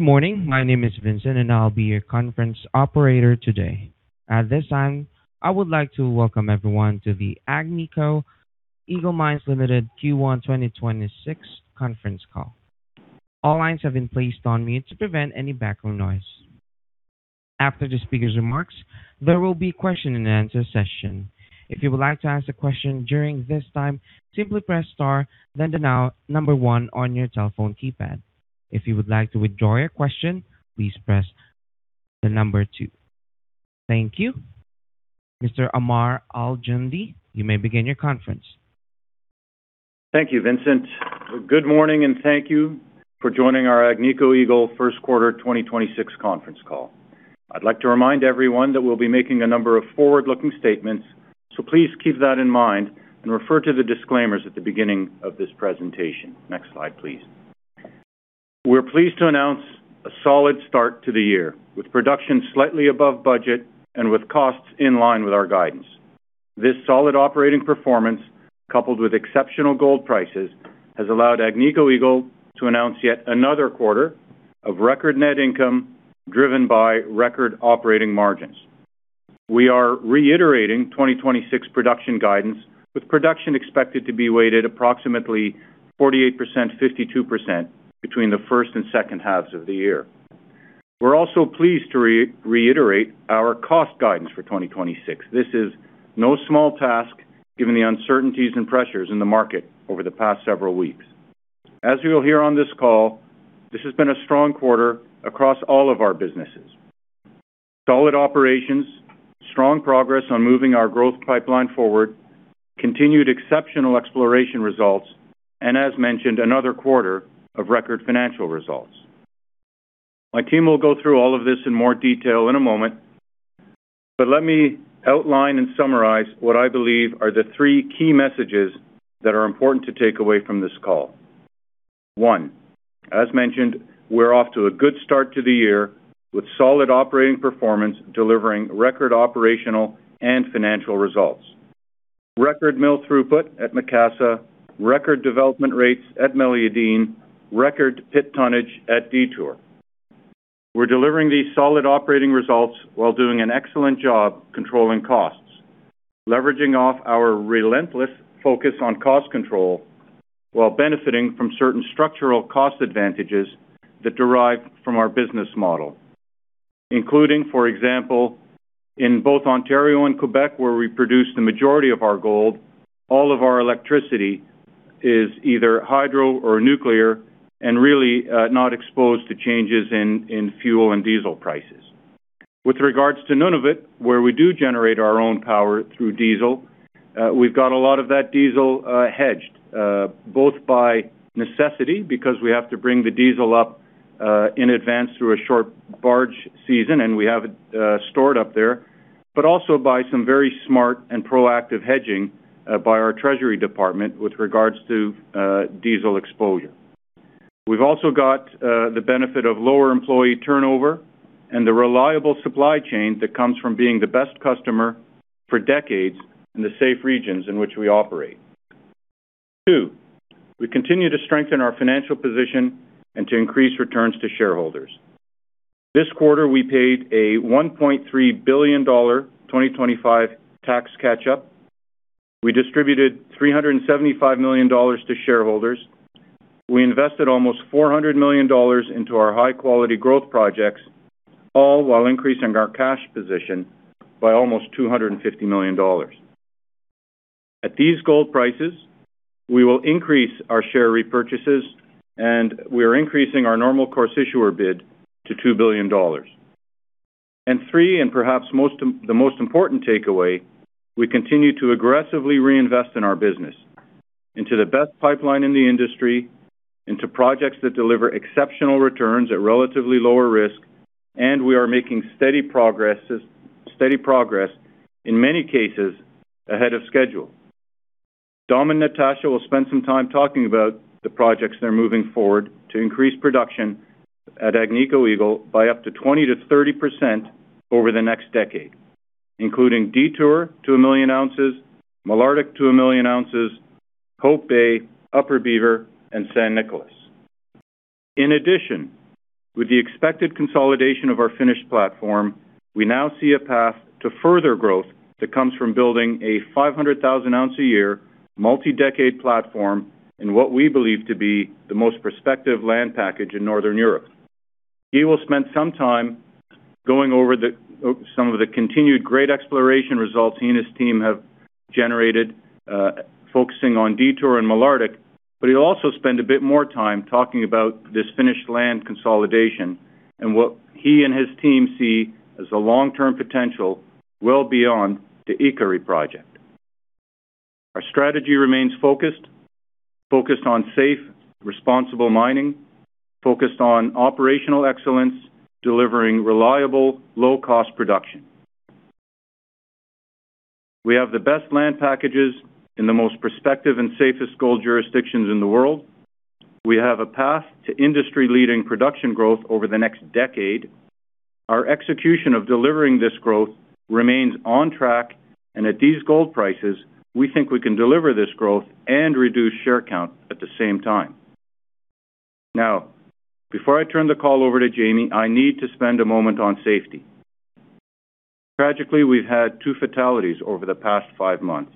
Good morning. My name is Vincent, and I'll be your conference operator today. At this time, I would like to welcome everyone to the Agnico Eagle Mines Limited Q1 2026 conference call. All lines have been placed on mute to prevent any background noise. After the speaker's remarks, there will be question and answer session. If you would like to ask a question during this time, simply press star then the number one on your telephone keypad. If you would like to withdraw your question, please press the number two. Thank you. Mr. Ammar Al-Joundi, you may begin your conference. Thank you, Vincent. Good morning, and thank you for joining our Agnico Eagle first quarter 2026 conference call. I'd like to remind everyone that we'll be making a number of forward-looking statements, so please keep that in mind and refer to the disclaimers at the beginning of this presentation. Next slide, please. We're pleased to announce a solid start to the year, with production slightly above budget and with costs in line with our guidance. This solid operating performance, coupled with exceptional gold prices, has allowed Agnico Eagle to announce yet another quarter of record net income driven by record operating margins. We are reiterating 2026 production guidance, with production expected to be weighted approximately 48%, 52% between the first and second halves of the year. We're also pleased to re-reiterate our cost guidance for 2026. This is no small task given the uncertainties and pressures in the market over the past several weeks. As you'll hear on this call, this has been a strong quarter across all of our businesses. Solid operations, strong progress on moving our growth pipeline forward, continued exceptional exploration results, as mentioned, another quarter of record financial results. My team will go through all of this in more detail in a moment, let me outline and summarize what I believe are the three key messages that are important to take away from this call. one, as mentioned, we're off to a good start to the year with solid operating performance, delivering record operational and financial results. Record mill throughput at Macassa, record development rates at Meliadine, record pit tonnage at Detour. We're delivering these solid operating results while doing an excellent job controlling costs, leveraging off our relentless focus on cost control while benefiting from certain structural cost advantages that derive from our business model, including, for example, in both Ontario and Quebec, where we produce the majority of our gold, all of our electricity is either hydro or nuclear and really not exposed to changes in fuel and diesel prices. With regards to Nunavut, where we do generate our own power through diesel, we've got a lot of that diesel hedged both by necessity because we have to bring the diesel up in advance through a short barge season, and we have it stored up there, but also by some very smart and proactive hedging by our treasury department with regards to diesel exposure. We've also got the benefit of lower employee turnover and the reliable supply chain that comes from being the best customer for decades in the safe regions in which we operate. Two, we continue to strengthen our financial position and to increase returns to shareholders. This quarter, we paid a $1.3 billion 2025 tax catch-up. We distributed $375 million to shareholders. We invested almost $400 million into our high-quality growth projects, all while increasing our cash position by almost $250 million. At these gold prices, we will increase our share repurchases, and we are increasing our normal course issuer bid to $2 billion. Three, and perhaps the most important takeaway, we continue to aggressively reinvest in our business, into the best pipeline in the industry, into projects that deliver exceptional returns at relatively lower risk, and we are making steady progress, in many cases, ahead of schedule. Dom and Natasha will spend some time talking about the projects they're moving forward to increase production at Agnico Eagle by up to 20%-30% over the next decade, including Detour to 1 million ounces, Malartic to 1 million ounces, Hope Bay, Upper Beaver, and San Nicolas. In addition, with the expected consolidation of our Finnish platform, we now see a path to further growth that comes from building a 500,000 ounce a year multi-decade platform in what we believe to be the most prospective land package in Northern Europe. He will spend some time going over the some of the continued great exploration results he and his team have generated, focusing on Detour and Malartic, but he'll also spend a bit more time talking about this Finnish land consolidation and what he and his team see as a long-term potential well beyond the Ikkari project. Our strategy remains focused on safe, responsible mining, focused on operational excellence, delivering reliable, low-cost production. We have the best land packages in the most prospective and safest gold jurisdictions in the world. We have a path to industry-leading production growth over the next decade. Our execution of delivering this growth remains on track, and at these gold prices, we think we can deliver this growth and reduce share count at the same time. Before I turn the call over to Jamie, I need to spend a moment on safety. Tragically, we've had two fatalities over the past five months.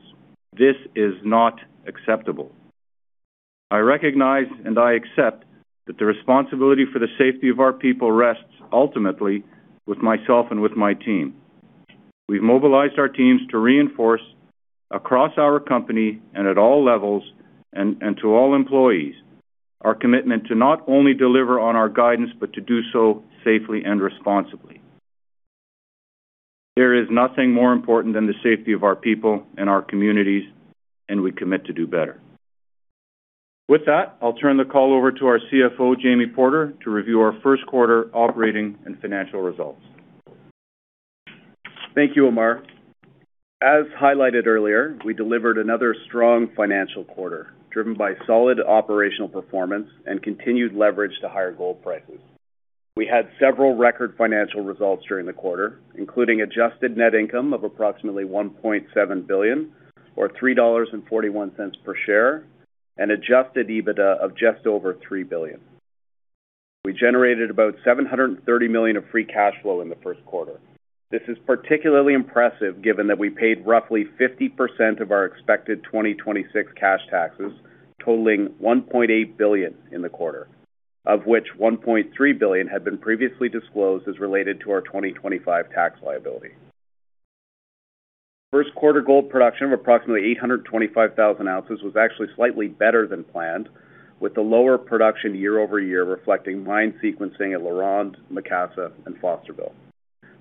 This is not acceptable. I recognize and I accept that the responsibility for the safety of our people rests ultimately with myself and with my team. We've mobilized our teams to reinforce across our company and at all levels and to all employees our commitment to not only deliver on our guidance, but to do so safely and responsibly. There is nothing more important than the safety of our people and our communities, and we commit to do better. With that, I'll turn the call over to our CFO, Jamie Porter, to review our 1st quarter operating and financial results. Thank you, Ammar Al-Joundi. As highlighted earlier, we delivered another strong financial quarter, driven by solid operational performance and continued leverage to higher gold prices. We had several record financial results during the quarter, including adjusted net income of approximately $1.7 billion or $3.41 per share, and adjusted EBITDA of just over $3 billion. We generated about $730 million of free cash flow in the first quarter. This is particularly impressive given that we paid roughly 50% of our expected 2026 cash taxes totaling $1.8 billion in the quarter, of which $1.3 billion had been previously disclosed as related to our 2025 tax liability. First quarter gold production of approximately 825,000 ounces was actually slightly better than planned, with the lower production year-over-year reflecting mine sequencing at LaRonde, Macassa and Fosterville.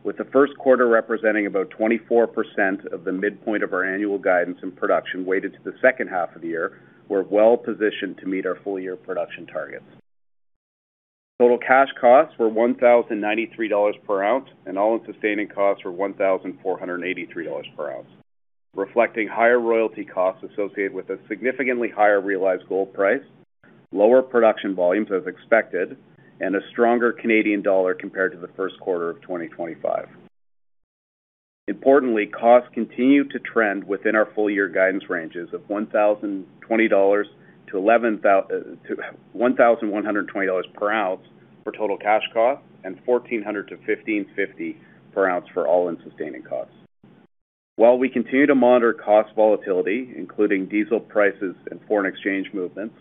With the first quarter representing about 24% of the midpoint of our annual guidance in production weighted to the second half of the year, we're well-positioned to meet our full-year production targets. total cash costs were $1,093 per ounce, and all-in sustaining costs were $1,483 per ounce, reflecting higher royalty costs associated with a significantly higher realized gold price, lower production volumes as expected, and a stronger Canadian dollar compared to the first quarter of 2025. Importantly, costs continue to trend within our full-year guidance ranges of $1,020-1,120 per ounce for total cash costs and $1,400-1,550 per ounce for all-in sustaining costs. While we continue to monitor cost volatility, including diesel prices and foreign exchange movements,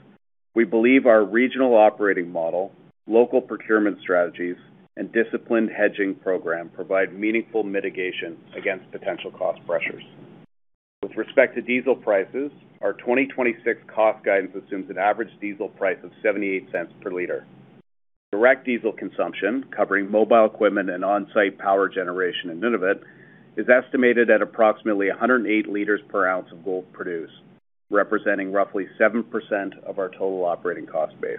we believe our regional operating model, local procurement strategies and disciplined hedging program provide meaningful mitigation against potential cost pressures. With respect to diesel prices, our 2026 cost guidance assumes an average diesel price of $0.78 per liter. Direct diesel consumption, covering mobile equipment and on-site power generation in Nunavut, is estimated at approximately 108 liters per ounce of gold produced, representing roughly 7% of our total operating cost base.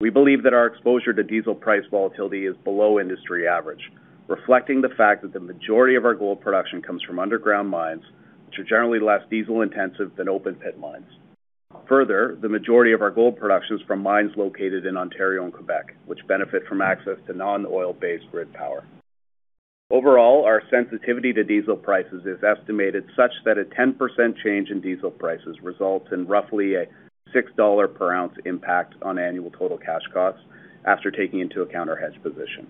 We believe that our exposure to diesel price volatility is below industry average, reflecting the fact that the majority of our gold production comes from underground mines, which are generally less diesel-intensive than open-pit mines. The majority of our gold production is from mines located in Ontario and Quebec, which benefit from access to non-oil-based grid power. Overall, our sensitivity to diesel prices is estimated such that a 10% change in diesel prices results in roughly a $6 per ounce impact on annual total cash costs after taking into account our hedge position.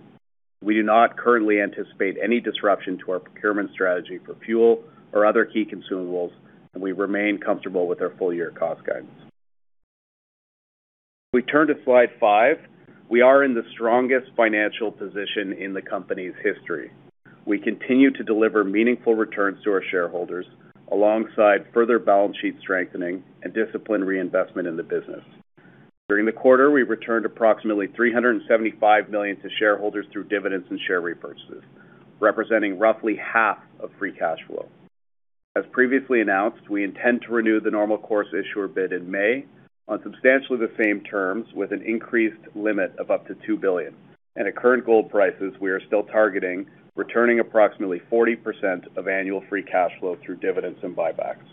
We do not currently anticipate any disruption to our procurement strategy for fuel or other key consumables, and we remain comfortable with our full-year cost guidance. If we turn to slide 5, we are in the strongest financial position in the company's history. We continue to deliver meaningful returns to our shareholders alongside further balance sheet strengthening and disciplined reinvestment in the business. During the quarter, we returned approximately $375 million to shareholders through dividends and share repurchases, representing roughly half of free cash flow. As previously announced, we intend to renew the normal course issuer bid in May on substantially the same terms with an increased limit of up to $2 billion. At current gold prices, we are still targeting returning approximately 40% of annual free cash flow through dividends and buybacks.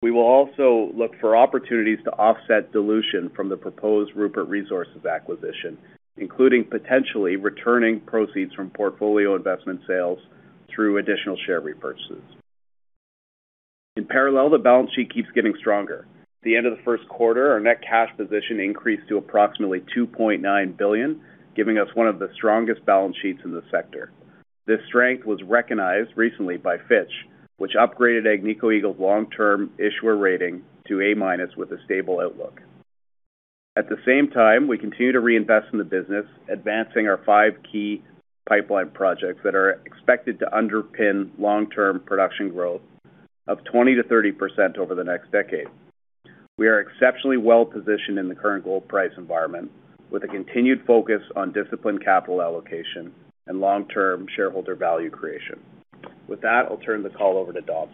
We will also look for opportunities to offset dilution from the proposed Rupert Resources acquisition, including potentially returning proceeds from portfolio investment sales through additional share repurchases. In parallel, the balance sheet keeps getting stronger. At the end of the first quarter, our net cash position increased to approximately $2.9 billion, giving us one of the strongest balance sheets in the sector. This strength was recognized recently by Fitch, which upgraded Agnico Eagle's long-term issuer rating to A minus with a stable outlook. At the same time, we continue to reinvest in the business, advancing our five key pipeline projects that are expected to underpin long-term production growth of 20%-30% over the next decade. We are exceptionally well-positioned in the current gold price environment with a continued focus on disciplined capital allocation and long-term shareholder value creation. With that, I'll turn the call over to Dom.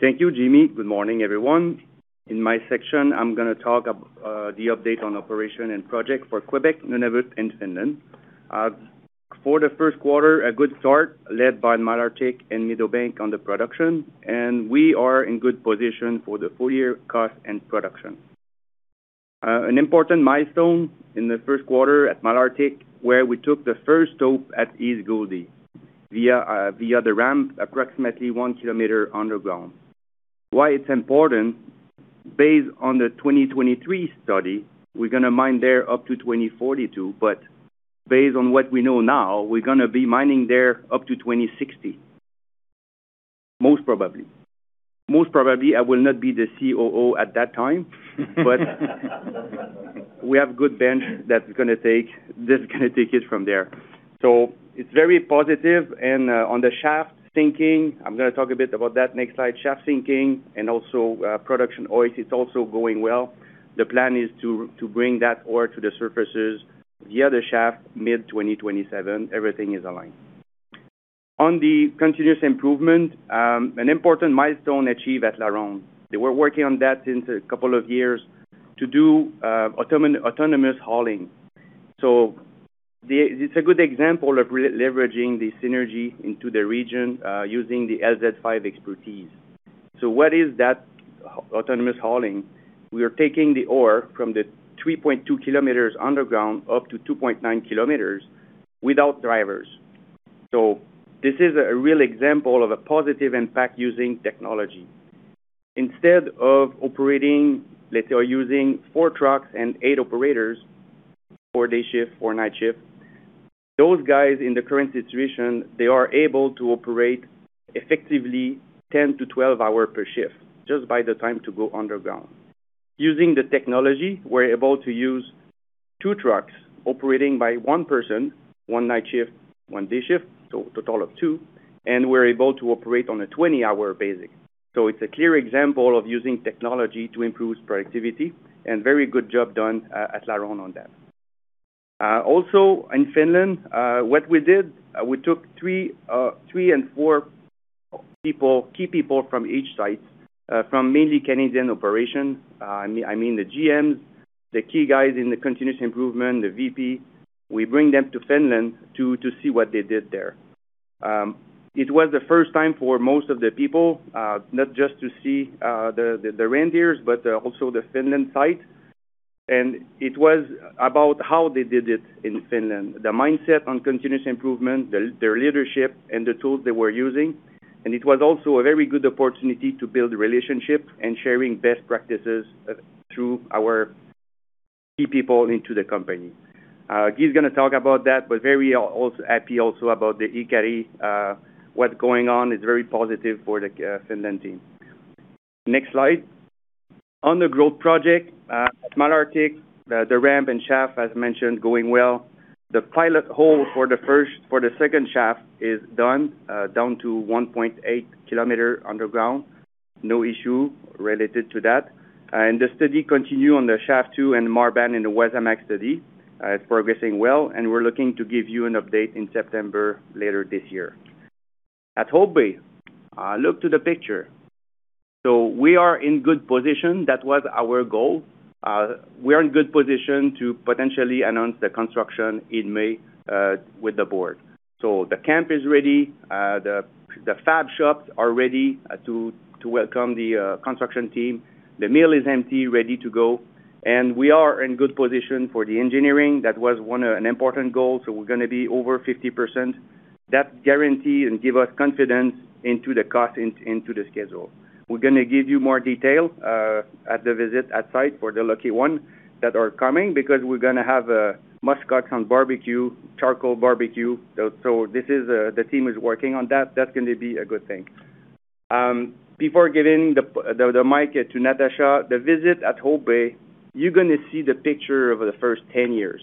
Thank you, Jamie. Good morning, everyone. In my section, I'm gonna talk ab-- the update on operation and project for Quebec, Nunavut, and Finland. For the first quarter, a good start led by Malartic and Meadowbank on the production, we are in good position for the full-year cost and production. An important milestone in the first quarter at Malartic, where we took the first stop at East Gouldie via the ramp, approximately 1 kilometer underground. Why it's important, based on the 2023 study, we're gonna mine there up to 2042, based on what we know now, we're gonna be mining there up to 2060. Most probably, I will not be the COO at that time. We have good bench that's gonna take it from there. It's very positive. On the shaft sinking, I'm gonna talk a bit about that next slide, shaft sinking and also production ore, it's also going well. The plan is to bring that ore to the surfaces via the shaft mid-2027. Everything is aligned. On the continuous improvement, an important milestone achieved at LaRonde. They were working on that since a couple of years to do autonomous hauling. It's a good example of leveraging the synergy into the region, using the LZ5 expertise. What is that autonomous hauling? We are taking the ore from the 3.2 kilometers underground up to 2.9 kilometers without drivers. This is a real example of a positive impact using technology. Instead of operating, let's say, or using four trucks and eight operators for day shift, for night shift, those guys in the current situation, they are able to operate effectively 10-12 hours per shift just by the time to go underground. Using the technology, we're able to use two trucks operating by one person, one night shift, one day shift, so a total of one, and we're able to operate on a 20-hour basis. It's a clear example of using technology to improve productivity, and very good job done at LaRonde on that. Also in Finland, what we did, we took two and four people, key people from each site, from mainly Canadian operation. I mean, the GMs, the key guys in the continuous improvement, the VP. We bring them to Finland to see what they did there. It was the first time for most of the people, not just to see the reindeers, but also the Finland site. It was about how they did it in Finland, the mindset on continuous improvement, the leadership and the tools they were using. It was also a very good opportunity to build relationship and sharing best practices through our key people into the company. Guy Gosselin's gonna talk about that, but very also happy about the Ikkari. What's going on is very positive for the Finland team. Next slide. On the growth project, at Malartic, the ramp and shaft, as mentioned, going well. The pilot hole for the 2nd shaft is done, down to 1.8 kilometer underground. No issue related to that. The study continue on the shaft two and Marban in the Wasamac study. It's progressing well, and we're looking to give you an update in September later this year. At Hope Bay, look to the picture. We are in good position. That was our goal. We are in good position to potentially announce the construction in May with the board. The camp is ready. The fab shops are ready to welcome the construction team. The mill is empty, ready to go. We are in good position for the engineering. That was an important goal, so we're gonna be over 50%. That guarantee and give us confidence into the cost and into the schedule. We're gonna give you more detail at the visit at site for the lucky one that are coming because we're gonna have muskox on barbecue, charcoal barbecue. This is, the team is working on that. That's gonna be a good thing. Before giving the mic to Natasha, the visit at Hope Bay, you're gonna see the picture over the first 10 years.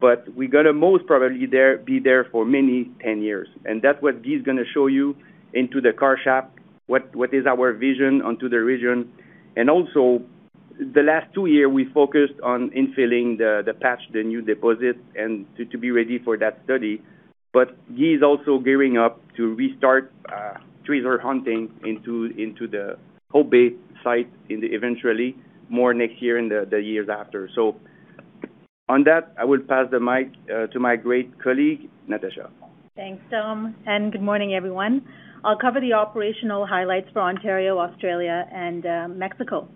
We're gonna most probably there, be there for many 10 years. That's what Guy's gonna show you into the core shack, what is our vision onto the region. The last two-year, we focused on infilling the patch, the new deposit, and to be ready for that study. Guy is also gearing up to restart treasure hunting into the Hope Bay site eventually more next-year and the years after. On that, I will pass the mic to my great colleague, Natasha. Thanks, Dom, and good morning, everyone. I'll cover the operational highlights for Ontario, Australia and Mexico.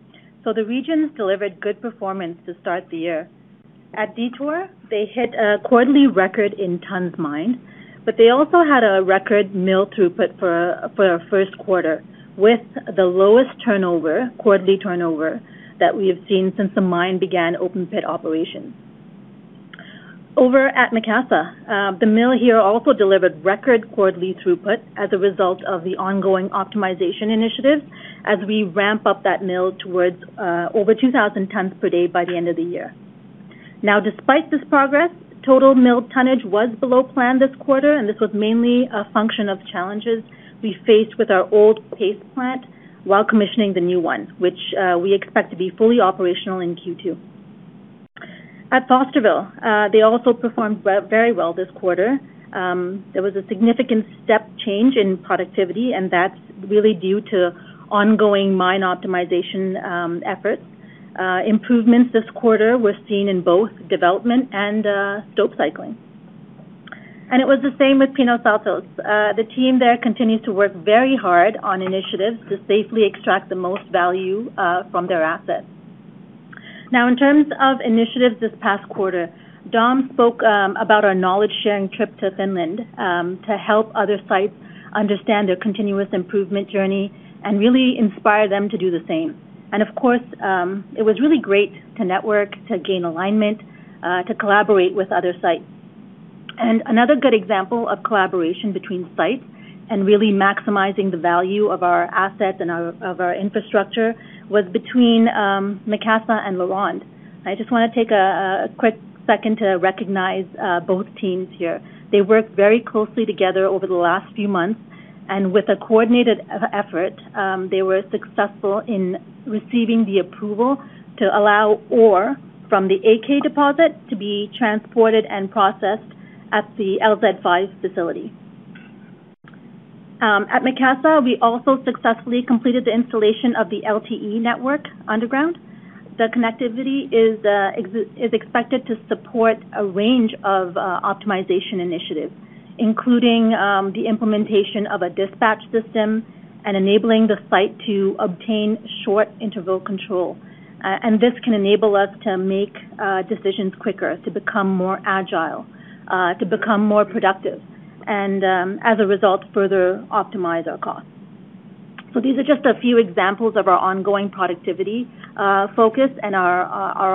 The regions delivered good performance to start the year. At Detour, they hit a quarterly record in tons mined, but they also had a record mill throughput for a 1st quarter with the lowest turnover, quarterly turnover that we have seen since the mine began open pit operations. Over at Macassa, the mill here also delivered record quarterly throughput as a result of the ongoing optimization initiative as we ramp up that mill towards over 2,000 tons per day by the end of the year. Despite this progress, total mill tonnage was below plan this quarter, and this was mainly a function of challenges we faced with our old paste plant while commissioning the new one, which we expect to be fully operational in Q2. At Fosterville, they also performed very well this quarter. There was a significant step change in productivity, and that's really due to ongoing mine optimization efforts. Improvements this quarter were seen in both development and stope cycling. It was the same with Pinos Altos. The team there continues to work very hard on initiatives to safely extract the most value from their assets. Now, in terms of initiatives this past quarter, Dom spoke about our knowledge-sharing trip to Finland to help other sites understand their continuous improvement journey and really inspire them to do the same. Of course, it was really great to network, to gain alignment, to collaborate with other sites. Another good example of collaboration between sites and really maximizing the value of our assets and our infrastructure was between Macassa and LaRonde. I just wanna take a quick second to recognize both teams here. They worked very closely together over the last few months, and with a coordinated e-effort, they were successful in receiving the approval to allow ore from the AK deposit to be transported and processed at the LZ 5 facility. At Macassa, we also successfully completed the installation of the LTE network underground. The connectivity is expected to support a range of optimization initiatives, including the implementation of a dispatch system and enabling the site to obtain short interval control. This can enable us to make decisions quicker, to become more agile, to become more productive, and as a result, further optimize our costs. These are just a few examples of our ongoing productivity focus and our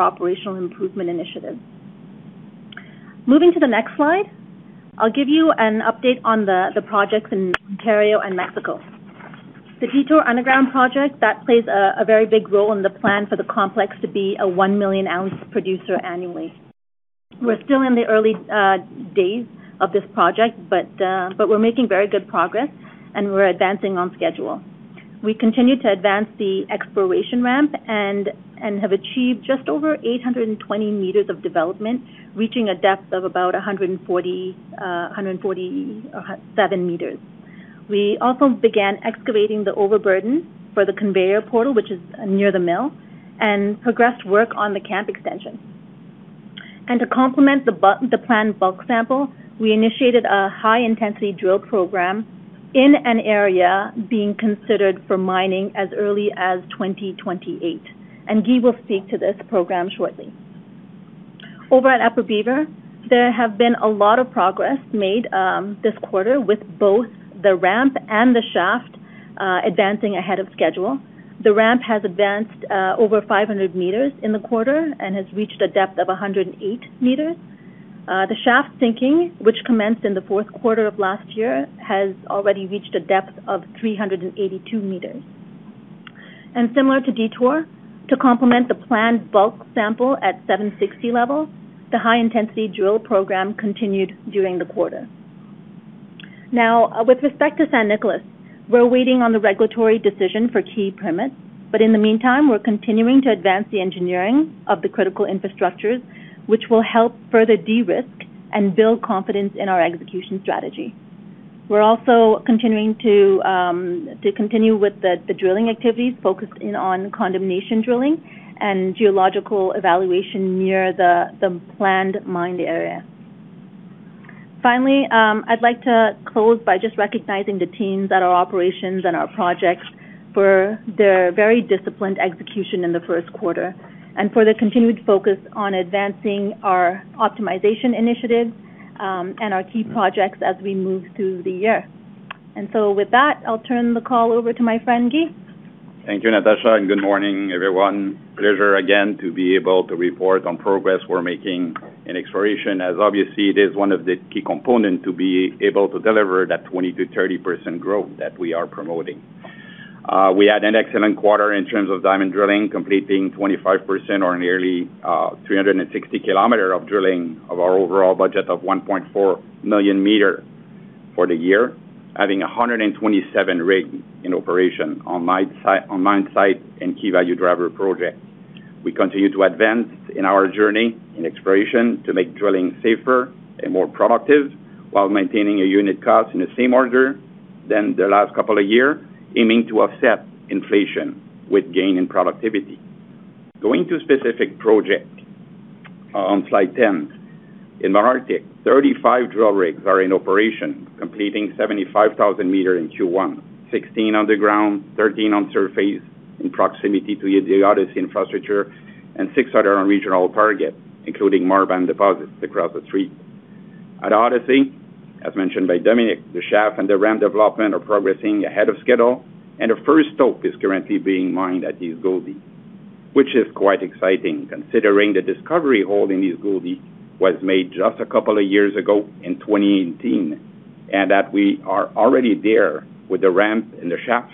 operational improvement initiatives. Moving to the next slide, I'll give you an update on the projects in Ontario and Mexico. The Detour Underground project, that plays a very big role in the plan for the complex to be a 1 million ounce producer annually. We're still in the early days of this project, but we're making very good progress, and we're advancing on schedule. We continue to advance the exploration ramp and have achieved just over 820 meters of development, reaching a depth of about 140, 147 meters. We also began excavating the overburden for the conveyor portal, which is near the mill, and progressed work on the camp extension. To complement the planned bulk sample, we initiated a high-intensity drill program in an area being considered for mining as early as 2028, and Guy will speak to this program shortly. Over at Upper Beaver, there have been a lot of progress made this quarter with both the ramp and the shaft advancing ahead of schedule. The ramp has advanced over 500 meters in the quarter and has reached a depth of 108 meters. The shaft sinking, which commenced in the 4th quarter of last year, has already reached a depth of 382 meters. Similar to Detour, to complement the planned bulk sample at 760 level, the high-intensity drill program continued during the quarter. Now, with respect to San Nicolas, we're waiting on the regulatory decision for key permits. In the meantime, we're continuing to advance the engineering of the critical infrastructures, which will help further de-risk and build confidence in our execution strategy. We're also continuing to continue with the drilling activities focused in on condemnation drilling and geological evaluation near the planned mine area. Finally, I'd like to close by just recognizing the teams at our operations and our projects for their very disciplined execution in the 1st quarter and for their continued focus on advancing our optimization initiatives and our key projects as we move through the year. With that, I'll turn the call over to my friend, Guy. Thank you, Natasha, Good morning, everyone. Pleasure again to be able to report on progress we're making in exploration, as obviously it is one of the key component to be able to deliver that 20%-30% growth that we are promoting. We had an excellent quarter in terms of diamond drilling, completing 25% or nearly 360 km of drilling of our overall budget of 1.4 million meter for the year, having 127 rig in operation on mine site and key value driver project. We continue to advance in our journey in exploration to make drilling safer and more productive while maintaining a unit cost in the same order than the last couple of year, aiming to offset inflation with gain in productivity. Going to specific project, on slide 10. In Malartic, 35 drill rigs are in operation, completing 75,000 meter in Q1. 16 underground, 13 on surface in proximity to the Odyssey infrastructure, and 6 other on regional target, including Marban deposit across the street. At Odyssey, as mentioned by Dominique, the shaft and the ramp development are progressing ahead of schedule, and the first stope is currently being mined at East Gouldie, which is quite exciting considering the discovery hole in East Gouldie was made just a couple of years ago in 2018, and that we are already there with the ramp and the shaft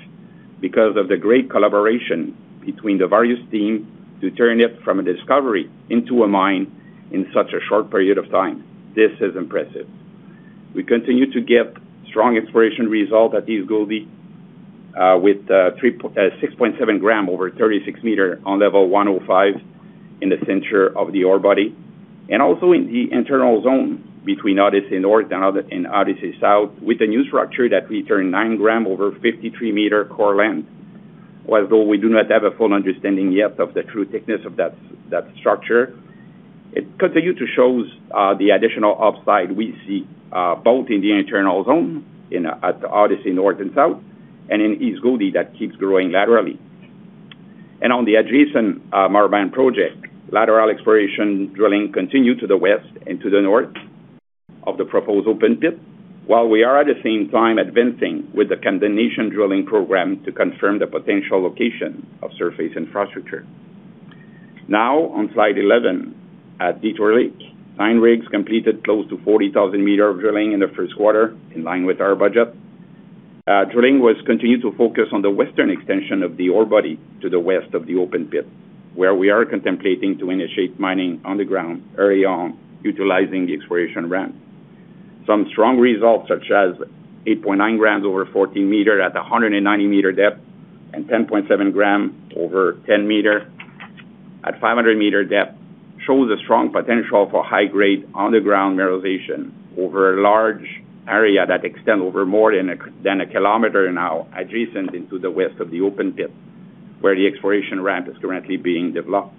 because of the great collaboration between the various team to turn it from a discovery into a mine in such a short period of time. This is impressive. We continue to get strong exploration result at East Gouldie, with 6.7 gram over 36 meter on level 105. In the center of the ore body and also in the internal zone between Odyssey North and Odyssey South with a new structure that returned 9 gram over 53 meter core length. While though we do not have a full understanding yet of the true thickness of that structure, it continue to shows, the additional upside we see, both in the internal zone in, at Odyssey North and South and in East Gouldie that keeps growing laterally. On the adjacent, Marban project, lateral exploration drilling continue to the west and to the north of the proposed open pit, while we are at the same time advancing with the combination drilling program to confirm the potential location of surface infrastructure. Now on slide 11 at Detour Lake, nine rigs completed close to 40,000 meter of drilling in the first quarter in line with our budget. Drilling was continued to focus on the western extension of the ore body to the west of the open pit, where we are contemplating to initiate mining underground early on, utilizing the exploration ramp. Some strong results, such as 8.9 grams over 14 meter at 190 meter depth and 10.7 gram over 10 meter at 500 meter depth shows a strong potential for high grade underground mineralization over a large area that extend over more than a kilometer now adjacent into the west of the open pit, where the exploration ramp is currently being developed.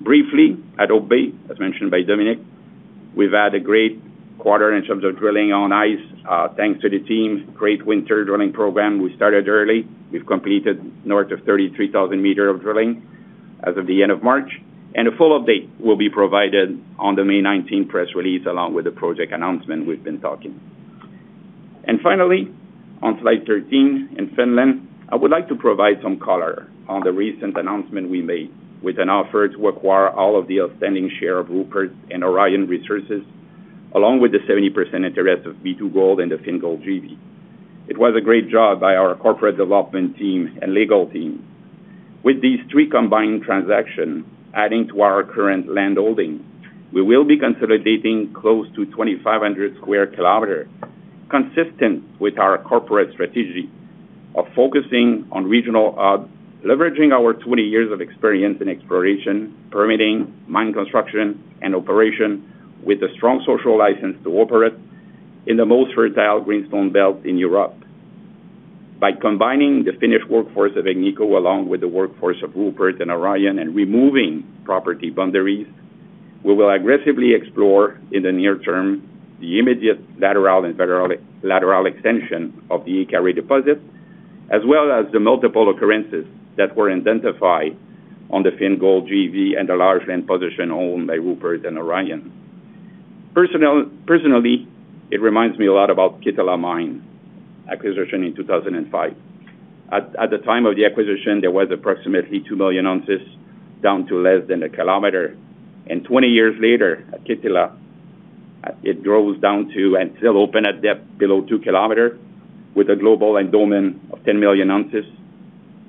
Briefly, at Hope Bay, as mentioned by Dominique Girard, we've had a great quarter in terms of drilling on Ice. Thanks to the team's great winter drilling program. We started early. We've completed north of 33,000 meters of drilling as of the end of March. A full update will be provided on the May 19th press release along with the project announcement we've been talking. Finally, on slide 13 in Finland, I would like to provide some color on the recent announcement we made with an offer to acquire all of the outstanding share of Rupert and Orion Resource Partners, along with the 70% interest of B2Gold and the FinGold JV. It was a great job by our corporate development team and legal team. With these three combined transaction adding to our current landholding, we will be consolidating close to 2,500 sq km, consistent with our corporate strategy of focusing on regional, leveraging our 20 years of experience in exploration, permitting, mine construction, and operation with a strong social license to operate in the most fertile greenstone belt in Europe. By combining the Finnish workforce of Agnico along with the workforce of Rupert and Orion and removing property boundaries, we will aggressively explore in the near-term the immediate lateral extension of the Ikkari deposit, as well as the multiple occurrences that were identified on the Fingold JV and the large land position owned by Rupert and Orion. Personally, it reminds me a lot about Kittila mine acquisition in 2005. At the time of the acquisition, there was approximately 2 million ounces down to less than a kilometer. 20 years later, at Kittila, it grows down to and still open at depth below 2 kilometer with a global endowment of 10 million ounces,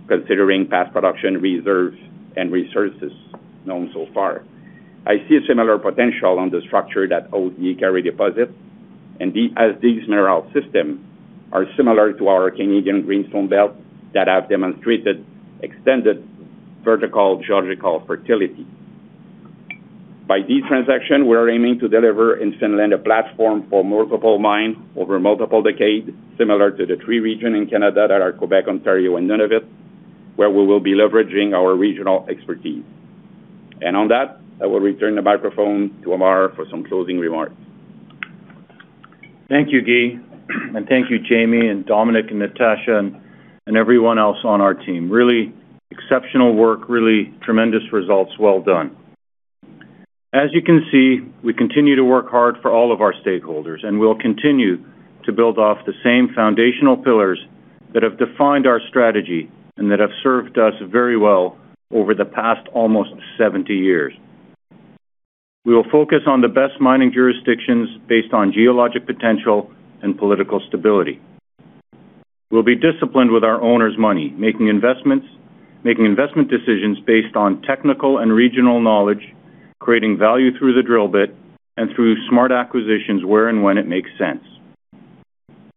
considering past production reserves and resources known so far. I see a similar potential on the structure that hold the Ikkari deposit. As these mineral system are similar to our Canadian Greenstone Belt that have demonstrated extended vertical geological fertility. By this transaction, we are aiming to deliver in Finland a platform for multiple mine over multiple decade, similar to the 3 region in Canada that are Quebec, Ontario, and Nunavut, where we will be leveraging our regional expertise. On that, I will return the microphone to Ammar for some closing remarks. Thank you, Guy. Thank you, Jamie and Dominique and Natasha and everyone else on our team. Really exceptional work, really tremendous results. Well done. As you can see, we continue to work hard for all of our stakeholders, and we'll continue to build off the same foundational pillars that have defined our strategy and that have served us very well over the past almost 70 years. We will focus on the best mining jurisdictions based on geologic potential and political stability. We'll be disciplined with our owners' money, making investment decisions based on technical and regional knowledge, creating value through the drill bit and through smart acquisitions where and when it makes sense.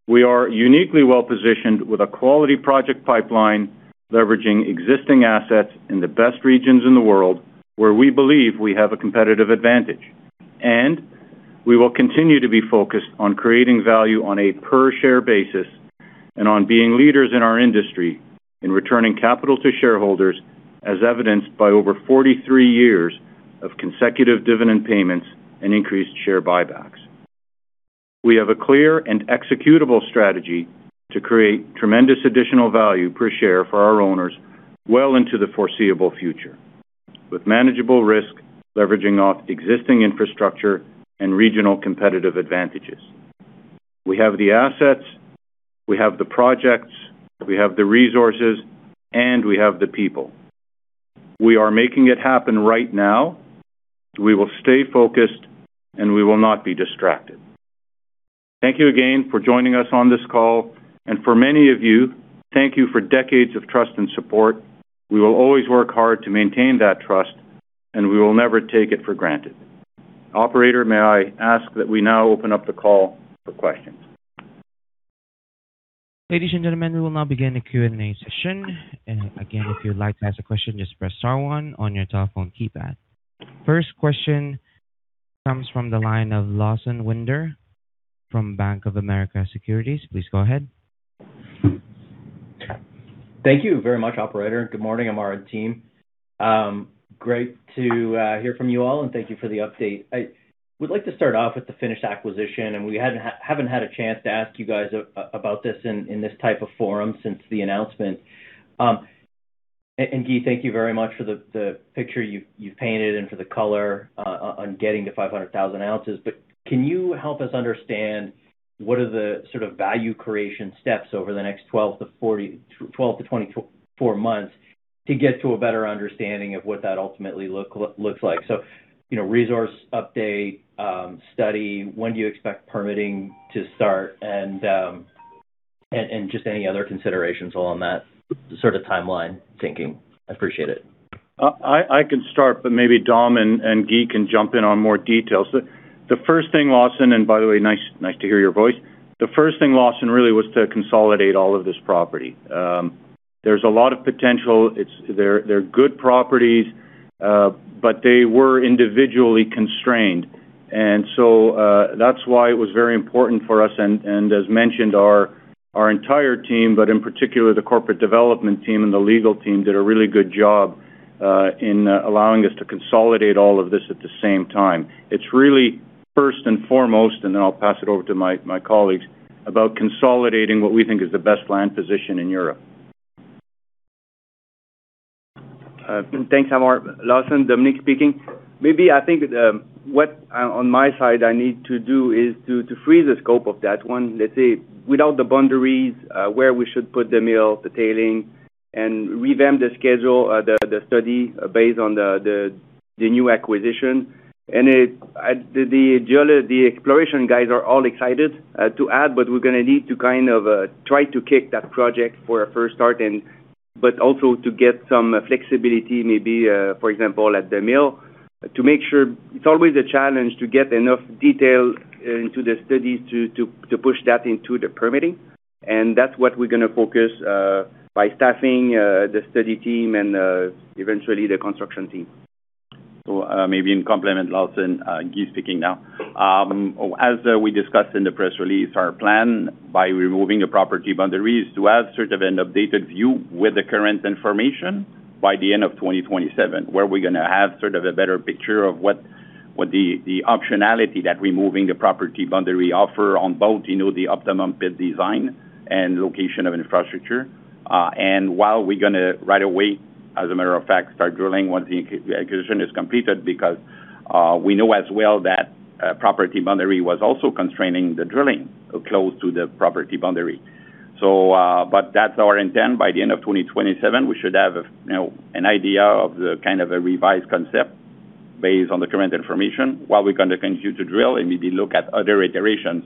We are uniquely well-positioned with a quality project pipeline, leveraging existing assets in the best regions in the world where we believe we have a competitive advantage. We will continue to be focused on creating value on a per-share basis and on being leaders in our industry in returning capital to shareholders as evidenced by over 43 years of consecutive dividend payments and increased share buybacks. We have a clear and executable strategy to create tremendous additional value per share for our owners well into the foreseeable future with manageable risk, leveraging off existing infrastructure and regional competitive advantages. We have the assets, we have the projects, we have the resources, and we have the people. We are making it happen right now. We will stay focused, and we will not be distracted. Thank you again for joining us on this call, and for many of you, thank you for decades of trust and support. We will always work hard to maintain that trust, and we will never take it for granted. Operator, may I ask that we now open up the call for questions? Ladies and gentlemen, we will now begin the Q&A session. Again, if you'd like to ask a question, just press star 1 on your telephone keypad. First question comes from the line of Lawson Winder from Bank of America Securities. Please go ahead. Thank you very much, operator. Good morning, Ammar team. Great to hear from you all, and thank you for the update. I would like to start off with the Finnish acquisition. We haven't had a chance to ask you guys about this in this type of forum since the announcement. Guy Gosselin, thank you very much for the picture you've painted and for the color on getting to 500,000 ounces. Can you help us understand what are the sort of value creation steps over the next 12 to 24 months to get to a better understanding of what that ultimately looks like? You know, resource update, study, when do you expect permitting to start? Just any other considerations along that sort of timeline thinking. I appreciate it. I can start, but maybe Dom and Guy can jump in on more details. The first thing, Lawson, and by the way, nice to hear your voice. The first thing, Lawson, really was to consolidate all of this property. There's a lot of potential. They're good properties, but they were individually constrained. That's why it was very important for us and as mentioned, our entire team, but in particular the corporate development team and the legal team did a really good job in allowing us to consolidate all of this at the same time. It's really first and foremost. I'll pass it over to my colleagues, about consolidating what we think is the best land position in Europe. Thanks, Ammar. Lawson, Dominique speaking. Maybe I think what on my side I need to do is to free the scope of that 1, let's say, without the boundaries, where we should put the mill, the tailing, and revamp the schedule, the study based on the new acquisition. It, the exploration guys are all excited to add, but we're gonna need to kind of try to kick that project for a first start and but also to get some flexibility, maybe, for example, at the mill. To make sure it's always a challenge to get enough detail into the study to push that into the permitting. That's what we're gonna focus by staffing the study team and eventually the construction team. Maybe in complement, Lawson, Guy speaking now. As we discussed in the press release, our plan by removing the property boundaries to have sort of an updated view with the current information by the end of 2027, where we're gonna have sort of a better picture of what the optionality that removing the property boundary offer on both, you know, the optimum pit design and location of infrastructure. While we're gonna right away, as a matter of fact, start drilling once the acquisition is completed, because we know as well that property boundary was also constraining the drilling close to the property boundary. That's our intent. By the end of 2027, we should have, you know, an idea of the kind of a revised concept based on the current information while we continue to drill and maybe look at other iterations.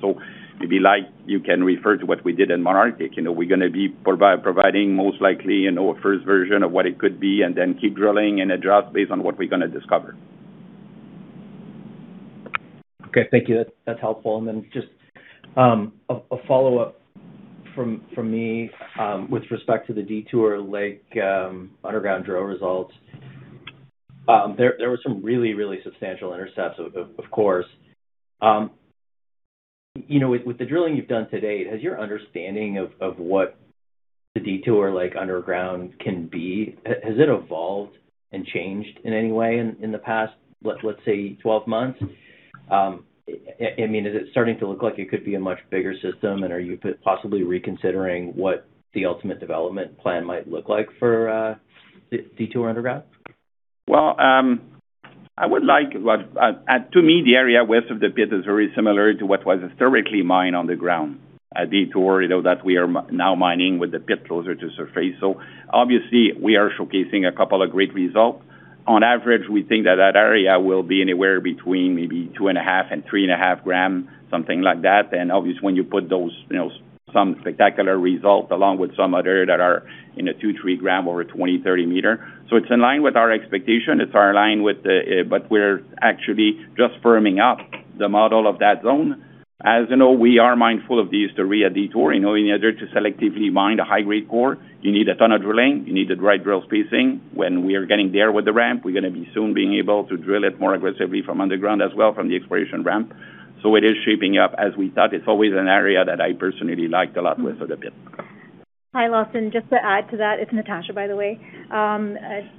It'd be like you can refer to what we did in Malartic. You know, we're gonna be providing most likely, you know, a first version of what it could be and then keep drilling and adjust based on what we're gonna discover. Okay. Thank you. That's helpful. A follow-up from me with respect to the Detour Lake underground drill results. There were some really substantial intercepts, of course. You know, with the drilling you've done to date, has your understanding of what the Detour Lake underground can be, has it evolved and changed in any way in the past, let's say, 12 months? I mean, is it starting to look like it could be a much bigger system? Are you possibly reconsidering what the ultimate development plan might look like for Detour underground? To me, the area west of the pit is very similar to what was historically mined on the ground at Detour, you know, that we are now mining with the pit closer to surface. Obviously, we are showcasing a couple of great results. On average, we think that that area will be anywhere between maybe 2.5 and 3.5 gram, something like that. Obviously, when you put those, you know, some spectacular results along with some other that are in the 2, 3 gram over 20, 30 meter. It's in line with our expectation. It's in line with the, we're actually just firming up the model of that zone. As you know, we are mindful of the history at Detour. You know, in order to selectively mine a high-grade core, you need a ton of drilling, you need the right drill spacing. When we are getting there with the ramp, we're gonna be soon being able to drill it more aggressively from underground as well from the exploration ramp. It is shaping up as we thought. It's always an area that I personally liked a lot with the pit. Hi, Lawson. Just to add to that, it's Natasha, by the way.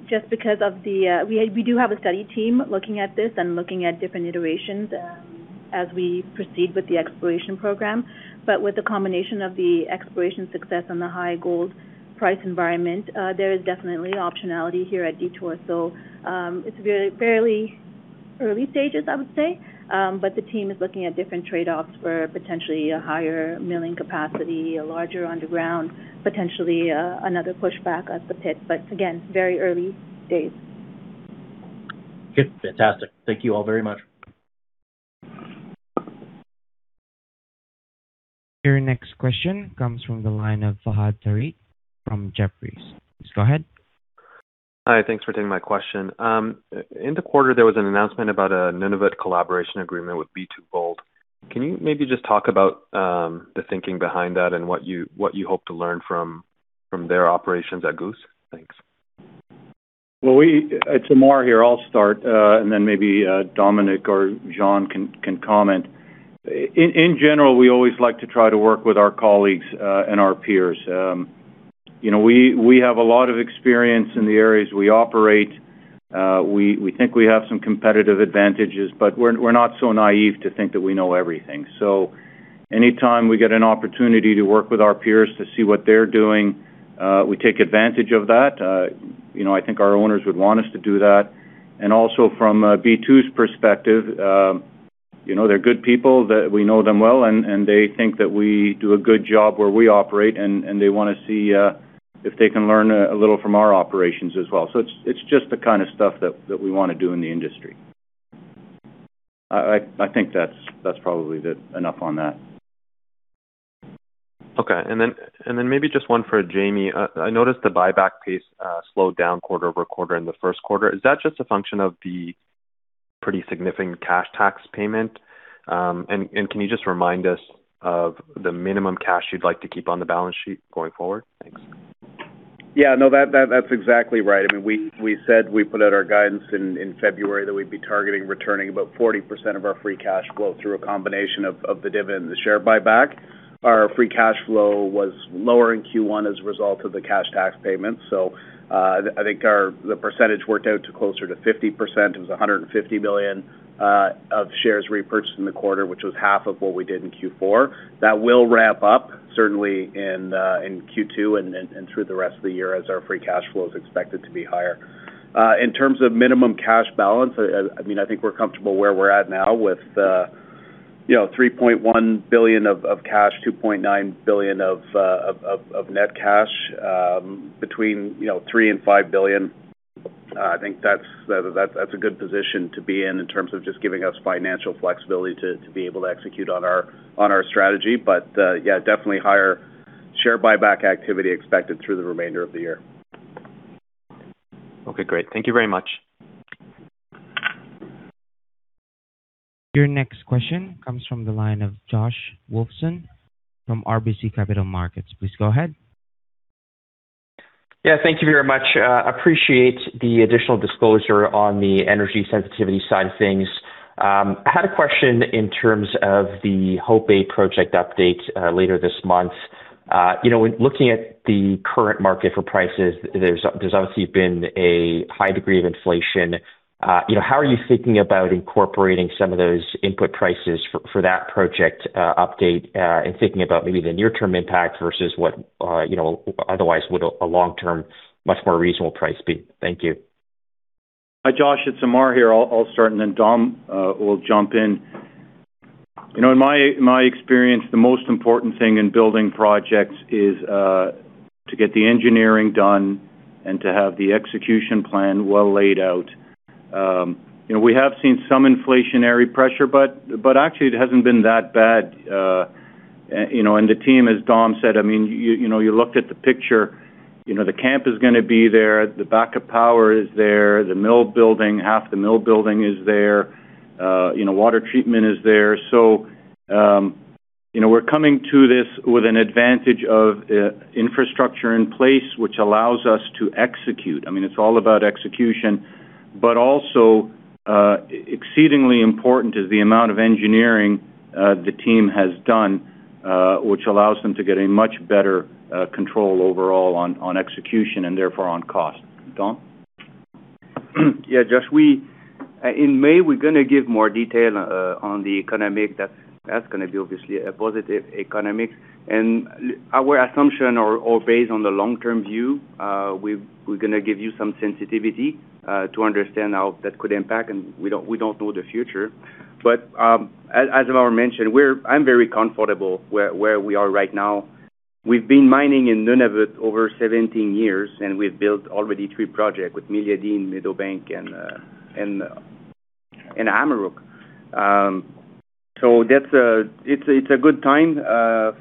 Just because of the, we do have a study team looking at this and looking at different iterations, as we proceed with the exploration program. With the combination of the exploration success and the high gold price environment, there is definitely optionality here at Detour. It's fairly early stages, I would say. The team is looking at different trade-offs for potentially a higher milling capacity, a larger underground, potentially, another pushback at the pit. Again, very early days. Good. Fantastic. Thank you all very much. Your next question comes from the line of Fahad Tariq from Jefferies. Please go ahead. Hi, thanks for taking my question. In the quarter, there was an announcement about a Nunavut collaboration agreement with B2Gold. Can you maybe just talk about the thinking behind that and what you, what you hope to learn from their operations at Goose? Thanks. Well, it's Ammar here. I'll start, then maybe Dominique or Jean can comment. In general, we always like to try to work with our colleagues, our peers. You know, we have a lot of experience in the areas we operate. We think we have some competitive advantages, but we're not so naive to think that we know everything. Any time we get an opportunity to work with our peers to see what they're doing, we take advantage of that. You know, I think our owners would want us to do that. Also from B2's perspective, you know, they're good people that we know them well, and they think that we do a good job where we operate, and they wanna see if they can learn a little from our operations as well. It's just the kind of stuff that we wanna do in the industry. I think that's probably the enough on that. Okay. Maybe just one for Jamie. I noticed the buyback pace slowed down quarter-over-quarter in the first quarter. Is that just a function of the pretty significant cash tax payment? Can you just remind us of the minimum cash you'd like to keep on the balance sheet going forward? Thanks. That's exactly right. I mean, we said we put out our guidance in February that we'd be targeting returning about 40% of our free cash flow through a combination of the dividend and the share buyback. Our free cash flow was lower in Q1 as a result of the cash tax payment. I think our the percentage worked out to closer to 50%. It was $150 million of shares repurchased in the quarter, which was half of what we did in Q4. That will ramp up certainly in Q2 and then and through the rest of the year as our free cash flow is expected to be higher. In terms of minimum cash balance, I mean, I think we're comfortable where we're at now with, you know, $3.1 billion of cash, $2.9 billion of net cash, between, you know, $3 billion and $5 billion. I think that's a good position to be in in terms of just giving us financial flexibility to be able to execute on our strategy. Yeah, definitely higher share buyback activity expected through the remainder of the year. Okay, great. Thank you very much. Your next question comes from the line of Josh Wolfson from RBC Capital Markets. Please go ahead. Yeah, thank you very much. appreciate the additional disclosure on the energy sensitivity side of things. I had a question in terms of the Hope Bay project update later this month. you know, when looking at the current market for prices, there's obviously been a high degree of inflation. you know, how are you thinking about incorporating some of those input prices for that project update and thinking about maybe the near-term impact versus what, you know, otherwise would a long-term, much more reasonable price be? Thank you. Hi, Josh. It's Ammar here. I'll start, and then Dominique will jump in. You know, in my, in my experience, the most important thing in building projects is to get the engineering done and to have the execution plan well laid out. You know, we have seen some inflationary pressure, but actually it hasn't been that bad. You know, and the team, as Dominique said, I mean, you know, you looked at the picture. You know, the camp is gonna be there. The backup power is there. The mill building, half the mill building is there. You know, water treatment is there. You know, we're coming to this with an advantage of infrastructure in place, which allows us to execute. I mean, it's all about execution. Also, exceedingly important is the amount of engineering, the team has done, which allows them to get a much better, control overall on execution and therefore on cost. Dom. Yeah, Josh. We in May, we're gonna give more detail on the economic. That's gonna be obviously a positive economic. Our assumption are all based on the long-term view. We're gonna give you some sensitivity to understand how that could impact, and we don't, we don't know the future. As Ammar mentioned, I'm very comfortable where we are right now. We've been mining in Nunavut over 17 years, and we've built already three project with Meliadine, Meadowbank and Amaruq. So that's it's a good time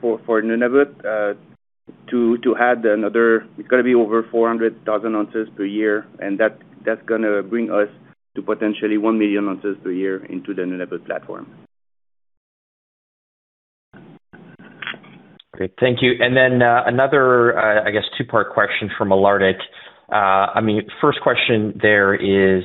for Nunavut to add another-- It's gonna be over 400,000 ounces per year, and that's gonna bring us to potentially 1 million ounces per year into the Nunavut platform. Great. Thank you. Then, another, I guess 2-part question from Malartic. I mean, first question there is,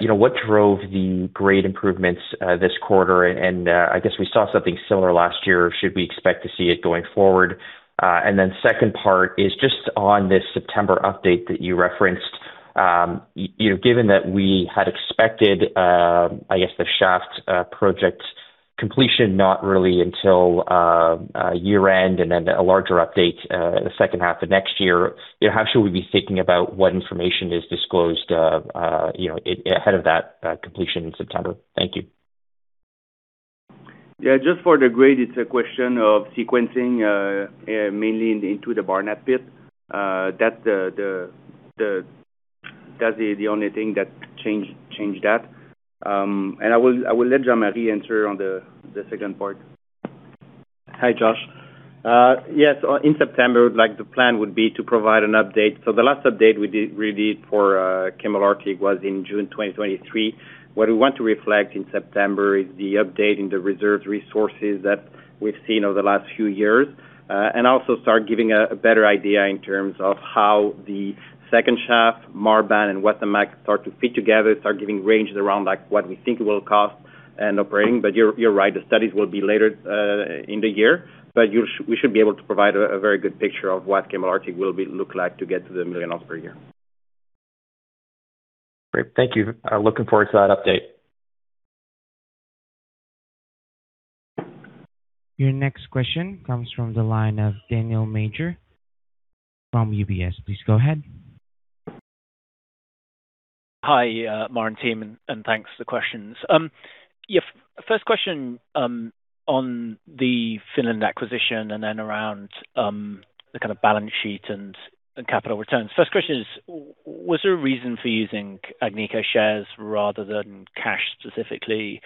you know, what drove the great improvements this quarter? I guess we saw something similar last year. Should we expect to see it going forward? Then second part is just on this September update that you referenced. You know, given that we had expected, I guess, the shaft project completion not really until year-end and then a larger update the second half of next year, you know, how should we be thinking about what information is disclosed, you know, ahead of that completion in September? Thank you. Yeah, just for the grade, it's a question of sequencing, mainly into the Barnat pit. That's the only thing that changed that. I will let Jean-Marie answer on the second part. Hi, Josh Wolfson. Yes, in September, the plan would be to provide an update. The last update we did for Canadian Malartic was in June 2023. What we want to reflect in September is the update in the reserves resources that we've seen over the last few years, and also start giving a better idea in terms of how the second shaft, Marban and Wasamac start to fit together, start giving ranges around what we think it will cost and operating. You're right, the studies will be later in the year, but we should be able to provide a very good picture of what Canadian Malartic will look like to get to the million oz per year. Great. Thank you. Looking forward to that update. Your next question comes from the line of Daniel Major from UBS. Please go ahead. Hi, Ammar team, and thanks for the questions. First question on the Finland acquisition and then around the kind of balance sheet and capital returns. First question is, was there a reason for using Agnico shares rather than cash specifically?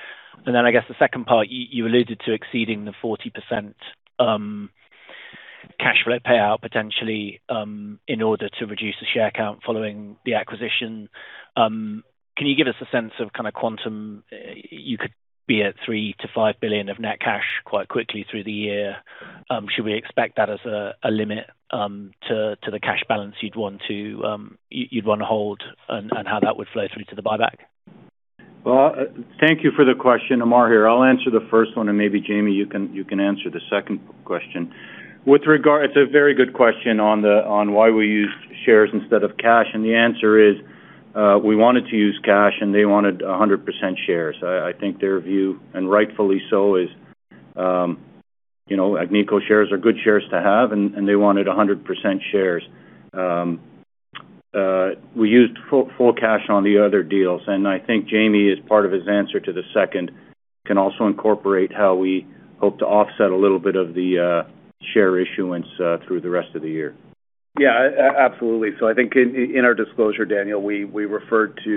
I guess the second part, you alluded to exceeding the 40% cash flow payout potentially in order to reduce the share count following the acquisition. Can you give us a sense of kind of quantum? You could be at $3-5 billion of net cash quite quickly through the year. Should we expect that as a limit to the cash balance you'd wanna hold and how that would flow through to the buyback? Well, thank you for the question. Ammar here. I'll answer the first one, and maybe Jamie, you can answer the second question. It's a very good question on why we used shares instead of cash. The answer is, we wanted to use cash, and they wanted 100% shares. I think their view, and rightfully so, is, you know, Agnico shares are good shares to have, and they wanted 100% shares. We used full cash on the other deals, I think Jamie, as part of his answer to the second, can also incorporate how we hope to offset a little bit of the share issuance through the rest of the year. Yeah, absolutely. I think in our disclosure, Daniel, we referred to,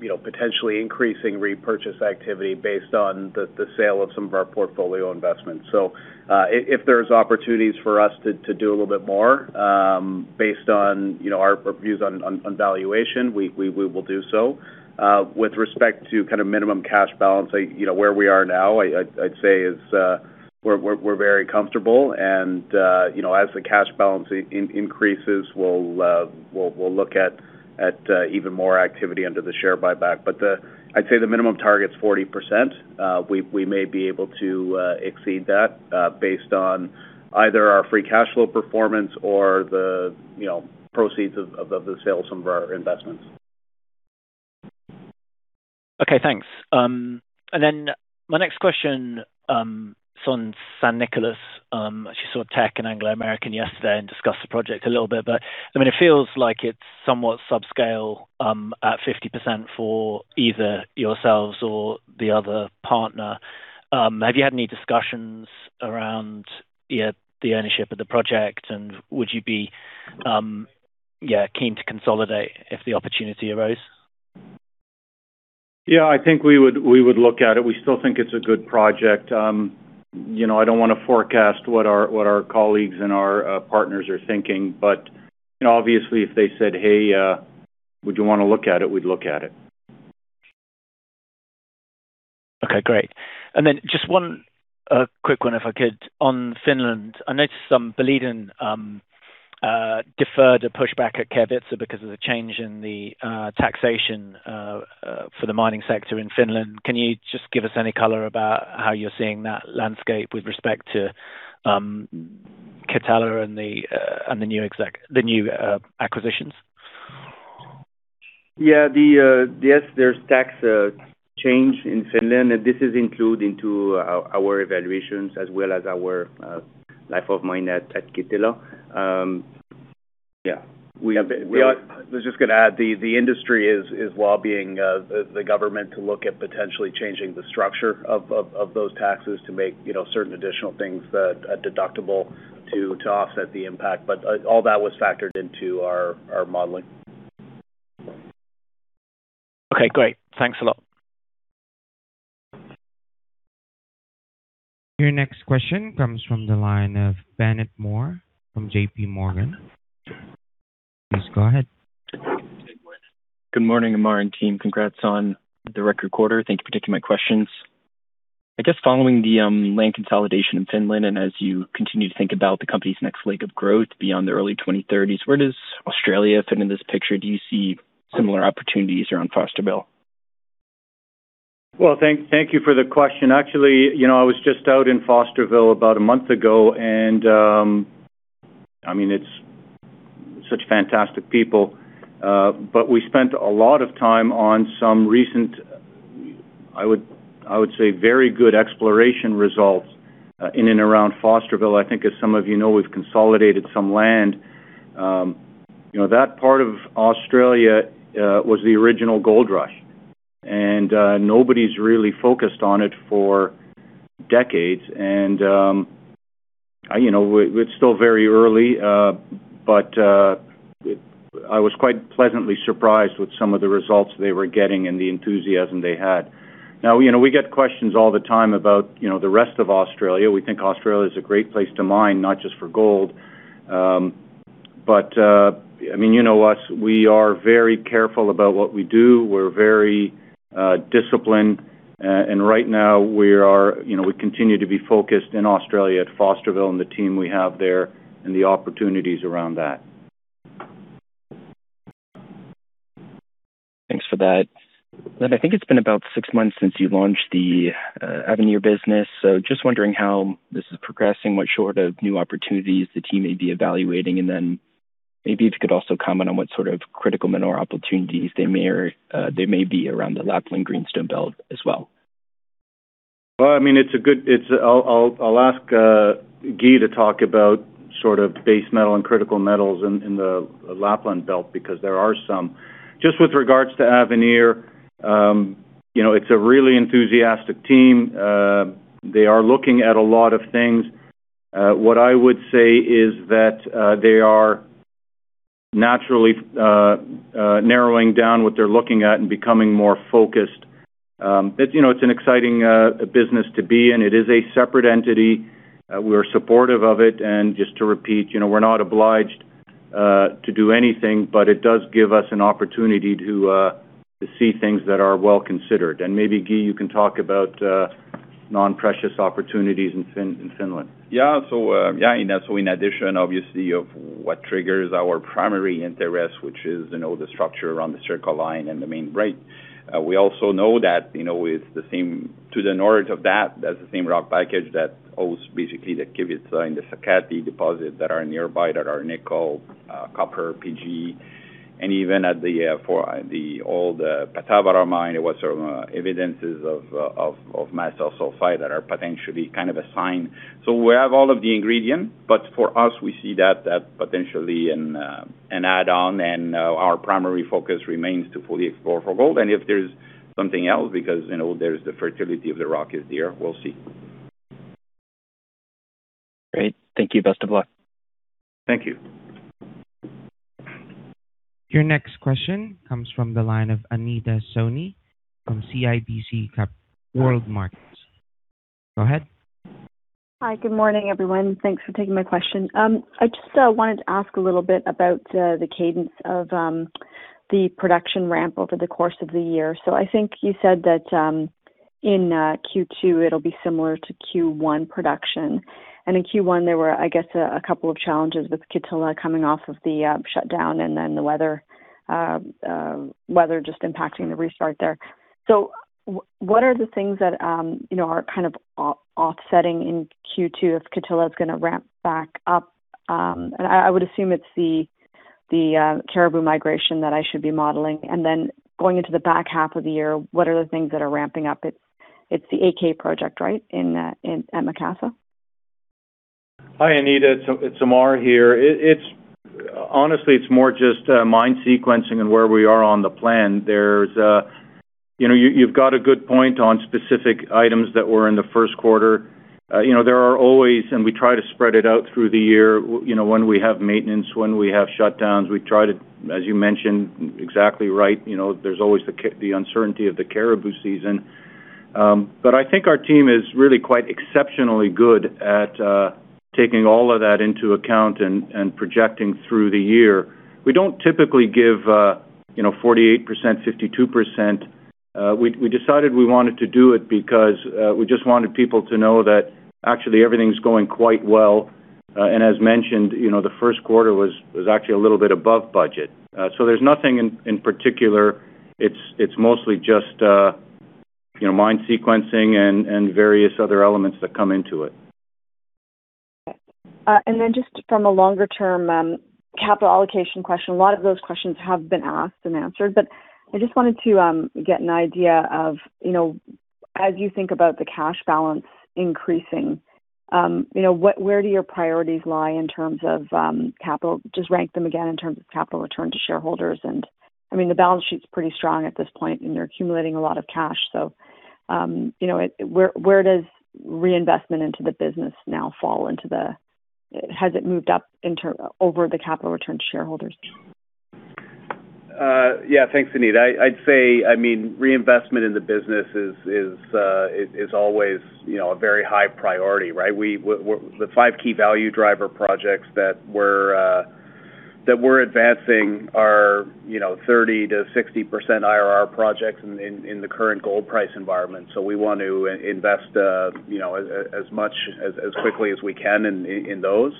you know, potentially increasing repurchase activity based on the sale of some of our portfolio investments. If there's opportunities for us to do a little bit more, based on, you know, our views on valuation, we will do so. With respect to kind of minimum cash balance, like, you know, where we are now, I'd say is, we're very comfortable and, you know, as the cash balance increases, we'll look at even more activity under the share buyback. I'd say the minimum target's 40%. We may be able to exceed that based on either our free cash flow performance or the, you know, proceeds of the sale of some of our investments. Okay, thanks. My next question is on San Nicolas. Actually saw Teck and Anglo American yesterday and discussed the project a little bit. I mean, it feels like it's somewhat subscale at 50% for either yourselves or the other partner. Have you had any discussions around the ownership of the project? Would you be keen to consolidate if the opportunity arose? Yeah, I think we would look at it. We still think it's a good project. You know, I don't wanna forecast what our, what our colleagues and our partners are thinking. You know, obviously, if they said, "Hey, would you wanna look at it?" We'd look at it. Okay, great. Then just one quick one if I could on Finland. I noticed Boliden deferred a pushback at Kevitsa because of the change in the taxation for the mining sector in Finland. Can you just give us any color about how you're seeing that landscape with respect to Kittila and the new acquisitions? Yes, there's tax change in Finland, and this is included into our evaluations as well as our life of mine at Kittila. Yeah. I was just gonna add, the industry is lobbying the government to look at potentially changing the structure of those taxes to make, you know, certain additional things deductible to offset the impact. All that was factored into our modeling. Okay, great. Thanks a lot. Your next question comes from the line of Bennett Moore from J.P. Morgan. Please go ahead. Good morning, Ammar and team. Congrats on the record quarter. Thank you for taking my questions. I guess following the land consolidation in Finland, as you continue to think about the company's next leg of growth beyond the early 2030s, where does Australia fit in this picture? Do you see similar opportunities around Fosterville? Well, thank you for the question. Actually, you know, I was just out in Fosterville about a month ago, and, I mean, it's such fantastic people. We spent a lot of time on some recent, I would say, very good exploration results in and around Fosterville. I think as some of you know, we've consolidated some land. You know, that part of Australia was the original gold rush, nobody's really focused on it for decades. You know, it's still very early, but I was quite pleasantly surprised with some of the results they were getting and the enthusiasm they had. You know, we get questions all the time about, you know, the rest of Australia. We think Australia is a great place to mine, not just for gold. I mean, you know us, we are very careful about what we do. We're very disciplined. Right now we are, you know, we continue to be focused in Australia at Fosterville and the team we have there and the opportunities around that. Thanks for that. I think it's been about six months since you launched the Avenir business. Just wondering how this is progressing, what sort of new opportunities the team may be evaluating, and then maybe if you could also comment on what sort of critical mineral opportunities there may be around the Lapland Greenstone Belt as well. Well, I mean, I'll ask Guy to talk about sort of base metal and critical metals in the Lapland Belt because there are some. Just with regards to Avenir Minerals, you know, it's a really enthusiastic team. They are looking at a lot of things. What I would say is that they are naturally narrowing down what they're looking at and becoming more focused. You know, it's an exciting business to be in. It is a separate entity. We're supportive of it. Just to repeat, you know, we're not obliged to do anything, but it does give us an opportunity to see things that are well considered. Maybe, Guy, you can talk about non-precious opportunities in Finland. In addition, obviously, of what triggers our primary interest, which is, you know, the structure around the Sirkka Line and the Main Break, we also know that, you know, it's the same to the north of that's the same rock package that hosts basically the Kevitsa and the Sakatti deposit that are nearby that are nickel, copper, PGE. Even at the for the old Pahtavaara Mine, there was some evidence of mass sulfide that are potentially kind of a sign. We have all of the ingredients, but for us, we see that potentially an add-on and our primary focus remains to fully explore for gold. If there's something else, because, you know, there's the fertility of the rock is there, we'll see. Great. Thank you. Best of luck. Thank you. Your next question comes from the line of Anita Soni from CIBC Capital Markets. Go ahead. Hi. Good morning, everyone. Thanks for taking my question. I just wanted to ask a little bit about the cadence of the production ramp over the course of the year. I think you said that in Q2, it'll be similar to Q1 production. In Q1, there were, I guess, a couple of challenges with Kittila coming off of the shutdown and then the weather just impacting the restart there. What are the things that, you know, are kind of offsetting in Q2 if Kittila is gonna ramp back up? I would assume it's the caribou migration that I should be modeling. Going into the back half of the year, what are the things that are ramping up? It's the AK project, right? In at Macassa. Hi, Anita. It's Ammar here. Honestly, it's more just mine sequencing and where we are on the plan. There's, you know, you've got a good point on specific items that were in the first quarter. You know, there are always, and we try to spread it out through the year, you know, when we have maintenance, when we have shutdowns. We try to, as you mentioned, exactly right, you know, there's always the uncertainty of the caribou season. I think our team is really quite exceptionally good at taking all of that into account and projecting through the year. We don't typically give, you know, 48%, 52%. We decided we wanted to do it because we just wanted people to know that actually everything's going quite well. As mentioned, you know, the 1st quarter was actually a little bit above budget. There's nothing in particular. It's mostly just, you know, mine sequencing and various other elements that come into it. Just from a longer-term, capital allocation question, a lot of those questions have been asked and answered, but I just wanted to get an idea of, you know, as you think about the cash balance increasing, you know, where do your priorities lie in terms of capital? Just rank them again in terms of capital return to shareholders. I mean, the balance sheet's pretty strong at this point, and you're accumulating a lot of cash. You know, where does reinvestment into the business now fall into the? Has it moved up over the capital return to shareholders? Yeah. Thanks, Anita. I'd say, I mean, reinvestment in the business is always, you know, a very high priority, right? The five key value driver projects that we're advancing are, you know, 30%-60% IRR projects in the current gold price environment. We want to invest, you know, as much, as quickly as we can in those.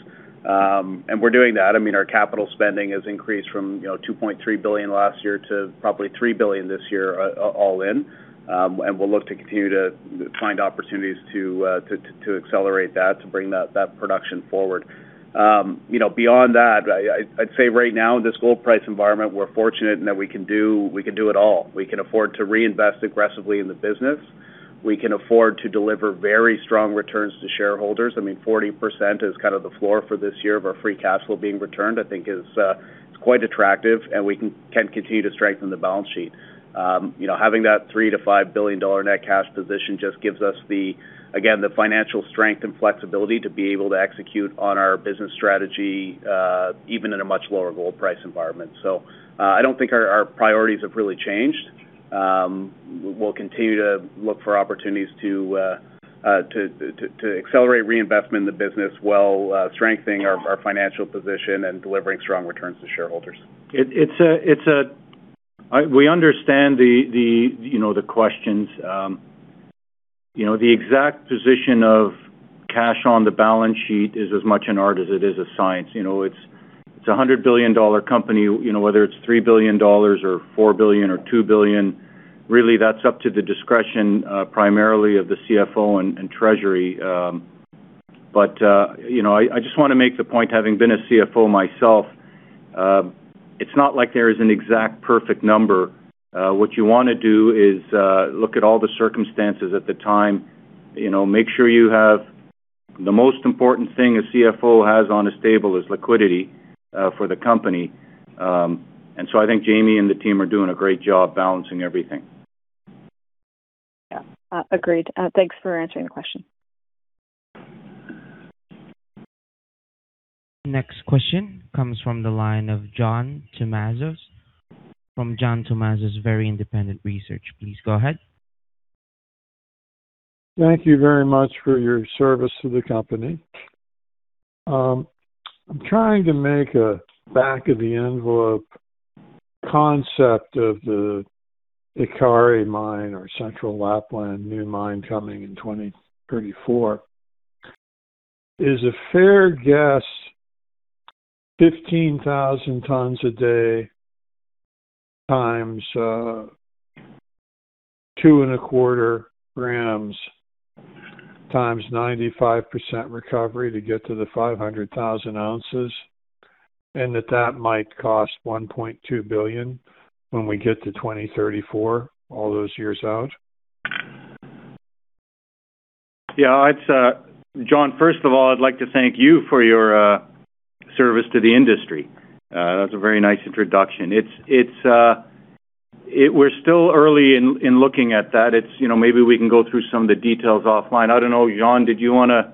We're doing that. I mean, our capital spending has increased from, you know, $2.3 billion last year to probably $3 billion this year, all in. We'll look to continue to find opportunities to accelerate that, to bring that production forward. You know, beyond that, I'd say right now, in this gold price environment, we're fortunate in that we can do, we can do it all. We can afford to reinvest aggressively in the business. We can afford to deliver very strong returns to shareholders. I mean, 40% is kind of the floor for this year of our free cash flow being returned, I think is quite attractive, and we can continue to strengthen the balance sheet. You know, having that $3-5 billion net cash position just gives us the, again, the financial strength and flexibility to be able to execute on our business strategy, even in a much lower gold price environment. I don't think our priorities have really changed. We'll continue to look for opportunities to accelerate reinvestment in the business while strengthening our financial position and delivering strong returns to shareholders. We understand the, you know, the questions. You know, the exact position of cash on the balance sheet is as much an art as it is a science. You know, it's a $100 billion company, you know, whether it's $3 billion or $4 billion or $2 billion, really that's up to the discretion, primarily of the CFO and treasury. You know, I just wanna make the point, having been a CFO myself, it's not like there is an exact perfect number. What you wanna do is look at all the circumstances at the time. You know, make sure you have. The most important thing a CFO has on his table is liquidity for the company. I think Jamie and the team are doing a great job balancing everything. Yeah. Agreed. Thanks for answering the question. Next question comes from the line of John Tumazos from John Tumazos Very Independent Research,. Please go ahead. Thank you very much for your service to the company. I'm trying to make a back of the envelope concept of the Ikkari mine or Central Lapland new mine coming in 2034. Is a fair guess 15,000 tons a day times two and a quarter grams times 95% recovery to get to the 500,000 ounces, and that that might cost $1.2 billion when we get to 2034, all those years out? Yeah. It's, John, first of all, I'd like to thank you for your service to the industry. That's a very nice introduction. We're still early in looking at that. It's, you know, maybe we can go through some of the details offline. I don't know, John, did you wanna.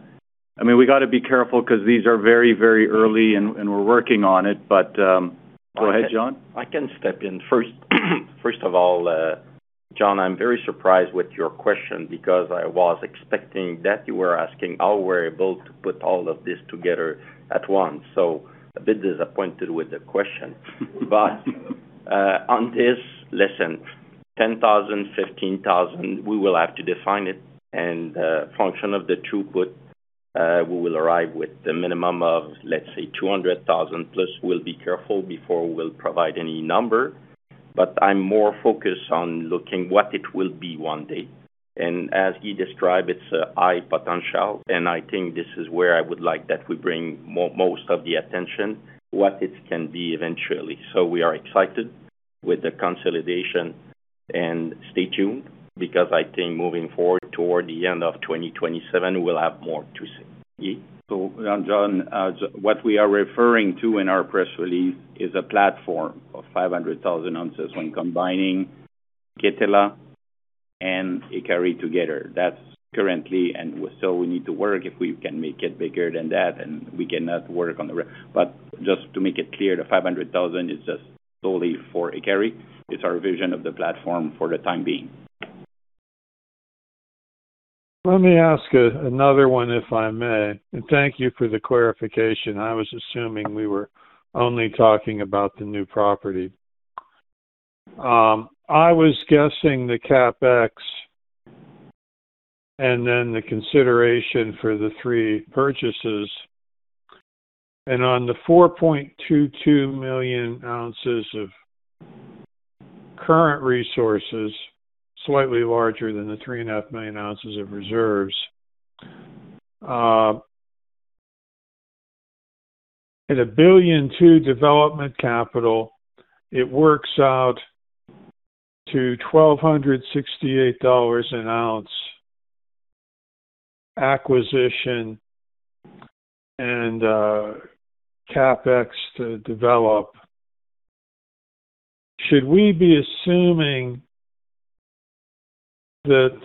I mean, we gotta be careful 'cause these are very early and we're working on it, but, go ahead, John. I can step in first. First of all, John, I'm very surprised with your question because I was expecting that you were asking how we're able to put all of this together at once. A bit disappointed with the question. On this lesson, 10,000, 15,000, we will have to define it, and a function of the throughput, we will arrive with the minimum of, let's say, 200,000 plus. We'll be careful before we'll provide any number. I'm more focused on looking what it will be one day. As he described, it's a high potential, and I think this is where I would like that we bring most of the attention, what it can be eventually. We are excited with the consolidation, and stay tuned because I think moving forward toward the end of 2027, we'll have more to say. Yeah. John, what we are referring to in our press release is a platform of 500,000 ounces when combining Kittila and Ikkari together. We need to work if we can make it bigger than that. Just to make it clear, the 500,000 is just solely for Ikkari. It's our vision of the platform for the time being. Let me ask another one, if I may. Thank you for the clarification. I was assuming we were only talking about the new property. I was guessing the CapEx and then the consideration for the three purchases. On the 4.22 million ounces of current resources, slightly larger than the three and a half million ounces of reserves, at $1.2 billion development capital, it works out to $1,268 an ounce acquisition and CapEx to develop. Should we be assuming that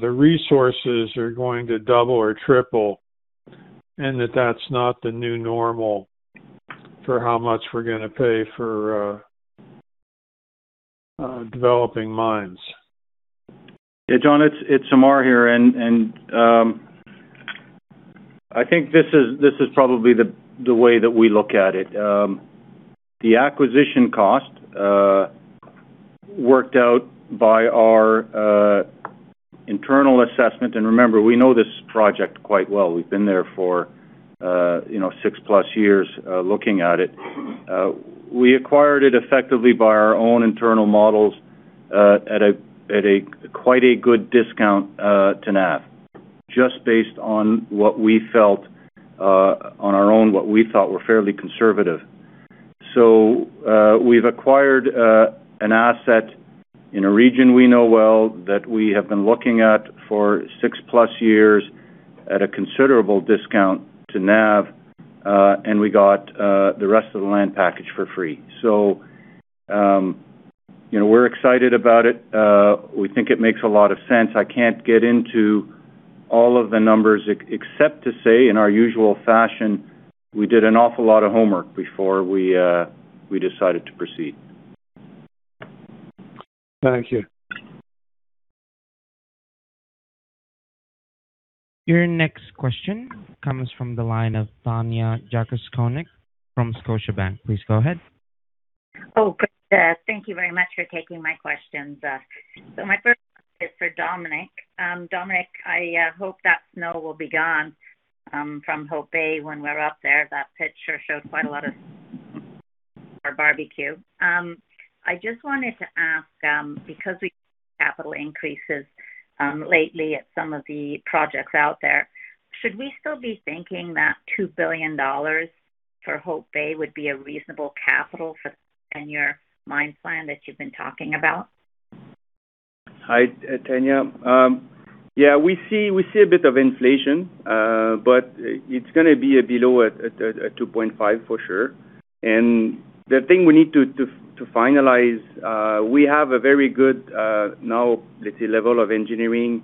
the resources are going to double or triple, and that that's not the new normal for how much we're gonna pay for developing mines? Yeah, John, it's Ammar here, and I think this is probably the way that we look at it. The acquisition cost worked out by our internal assessment, and remember, we know this project quite well. We've been there for, you know, six-plus years, looking at it. We acquired it effectively by our own internal models at a quite a good discount to NAV, just based on what we felt on our own, what we thought were fairly conservative. We've acquired an asset in a region we know well, that we have been looking at for six-plus years. At a considerable discount to NAV, and we got the rest of the land package for free. You know, we're excited about it. We think it makes a lot of sense. I can't get into all of the numbers except to say, in our usual fashion, we did an awful lot of homework before we decided to proceed. Thank you. Your next question comes from the line of Tanya Jakusconek from Scotiabank. Please go ahead. Good day. Thank you very much for taking my questions. My first is for Dominique Girard. Dominique Girard, I hope that snow will be gone from Hope Bay when we're up there. That picture showed quite a lot of for barbecue. I just wanted to ask, because we've seen capital increases lately at some of the projects out there, should we still be thinking that $2 billion for Hope Bay would be a reasonable capital for, and your mine plan that you've been talking about? Hi, Tanya. Yeah, we see a bit of inflation, but it's gonna be below at 2.5 for sure. The thing we need to finalize, we have a very good now, let's say, level of engineering,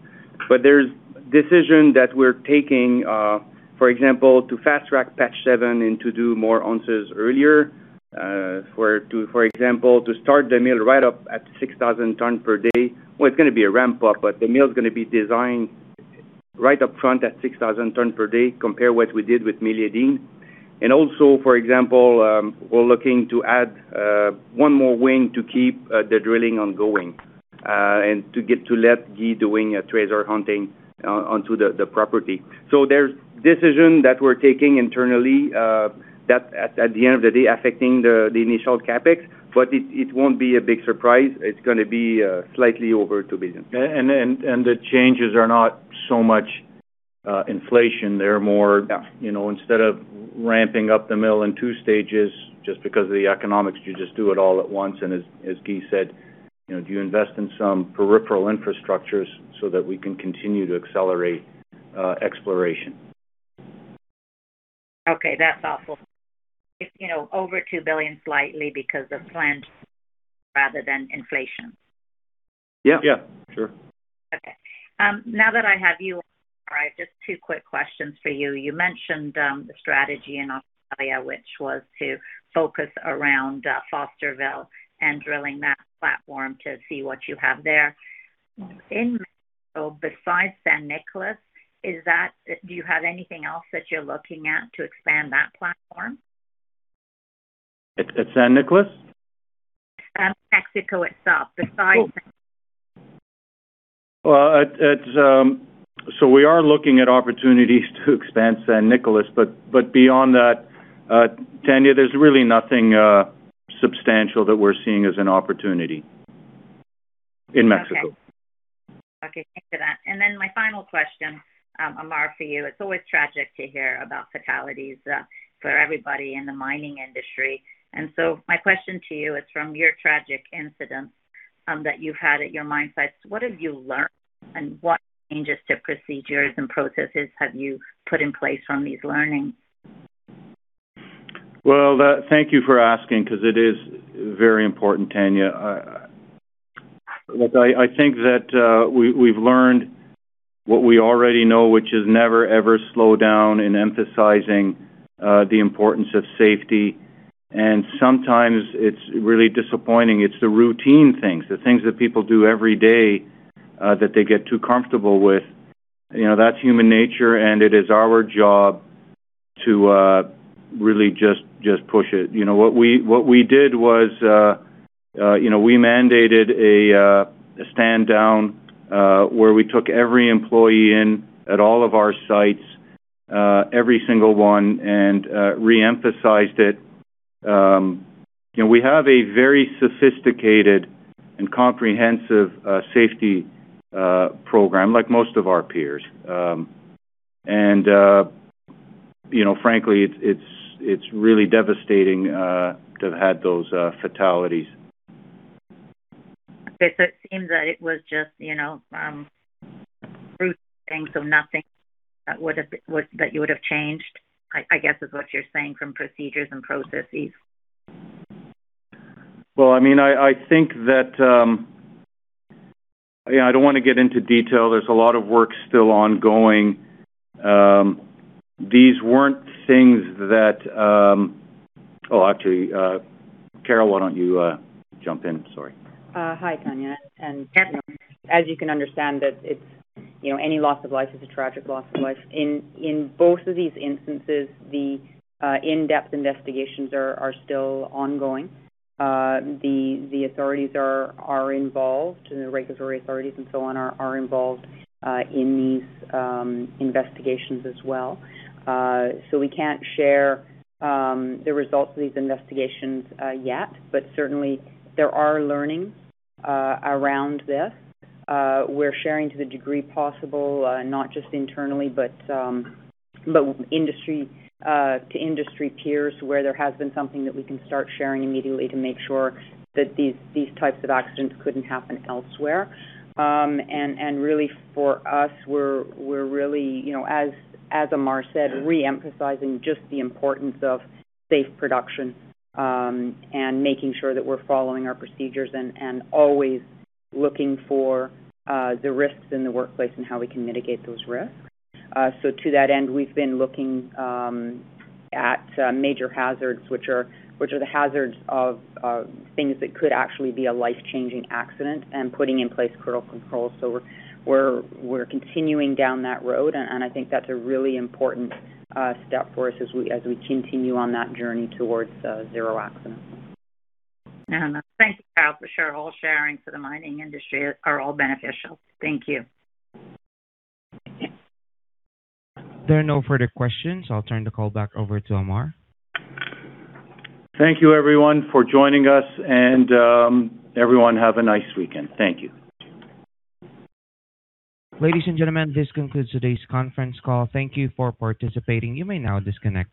but there's decision that we're taking, for example, to fast track Patch 7 and to do more ounces earlier, for example, to start the mill right up at 6,000 ton per day. Well, it's gonna be a ramp up, but the mill is gonna be designed right up front at 6,000 ton per day, compare what we did with Mill 18. Also, for example, we're looking to add one more wing to keep the drilling ongoing and to get to let Guy doing a treasure hunting on to the property. There's decision that we're taking internally, that at the end of the day, affecting the initial CapEx, but it won't be a big surprise. It's gonna be slightly over $2 billion. The changes are not so much, inflation. They're more. Yeah. You know, instead of ramping up the mill in 2 stages just because of the economics, you just do it all at once. As Guy said, you know, do you invest in some peripheral infrastructures so that we can continue to accelerate exploration? Okay, that's all. It's, you know, over $2 billion slightly because of planned rather than inflation. Yeah. Yeah. Sure. Okay. Now that I have you, Ammar, just two quick questions for you. You mentioned the strategy in Australia, which was to focus around Fosterville and drilling that platform to see what you have there. In Mexico, besides San Nicolas, do you have anything else that you're looking at to expand that platform? At San Nicolas? San Mexico itself. We are looking at opportunities to expand San Nicolas. Beyond that, Tanya, there's really nothing substantial that we're seeing as an opportunity in Mexico. Okay. Okay, thank you for that. My final question, Ammar, for you. It's always tragic to hear about fatalities for everybody in the mining industry. My question to you is from your tragic incident that you've had at your mine sites, what have you learned? What changes to procedures and processes have you put in place from these learnings? Well, thank you for asking, because it is very important, Tanya. Look, I think that we've learned what we already know, which is never, ever slow down in emphasizing the importance of safety. Sometimes it's really disappointing. It's the routine things, the things that people do every day, that they get too comfortable with. You know, that's human nature, and it is our job to really just push it. You know, what we did was, you know, we mandated a stand down, where we took every employee in at all of our sites, every-single one, and re-emphasized it. You know, we have a very sophisticated and comprehensive safety program like most of our peers. you know, frankly, it's really devastating to have had those fatalities. Okay. It seems that it was just, you know, things of nothing that would have that you would have changed, I guess is what you're saying from procedures and processes? Well, I mean, I think that. Yeah, I don't wanna get into detail. There's a lot of work still ongoing. These weren't things that. Oh, actually, Carol, why don't you jump in? Sorry. Hi, Tanya and Ammar. As you can understand that it's, you know, any loss of life is a tragic loss of life. In both of these instances, the in-depth investigations are still ongoing. The authorities are involved, and the regulatory authorities and so on are involved in these investigations as well. We can't share the results of these investigations yet, but certainly there are learnings around this. We're sharing to the degree possible, not just internally, but industry to industry peers where there has been something that we can start sharing immediately to make sure that these types of accidents couldn't happen elsewhere. Really for us, we're really, you know, as Ammar said, re-emphasizing just the importance of safe production, and making sure that we're following our procedures and always looking for the risks in the workplace and how we can mitigate those risks. To that end, we've been looking at major hazards, which are the hazards of things that could actually be a life-changing accident and putting in place critical controls. We're continuing down that road, and I think that's a really important step for us as we continue on that journey towards zero accidents. No, no. Thank you, Carol, for sure. All sharing for the mining industry are all beneficial. Thank you. There are no further questions. I'll turn the call back over to Ammar. Thank you everyone for joining us. Everyone have a nice weekend. Thank you. Ladies and gentlemen, this concludes today's conference call. Thank you for participating. You may now disconnect.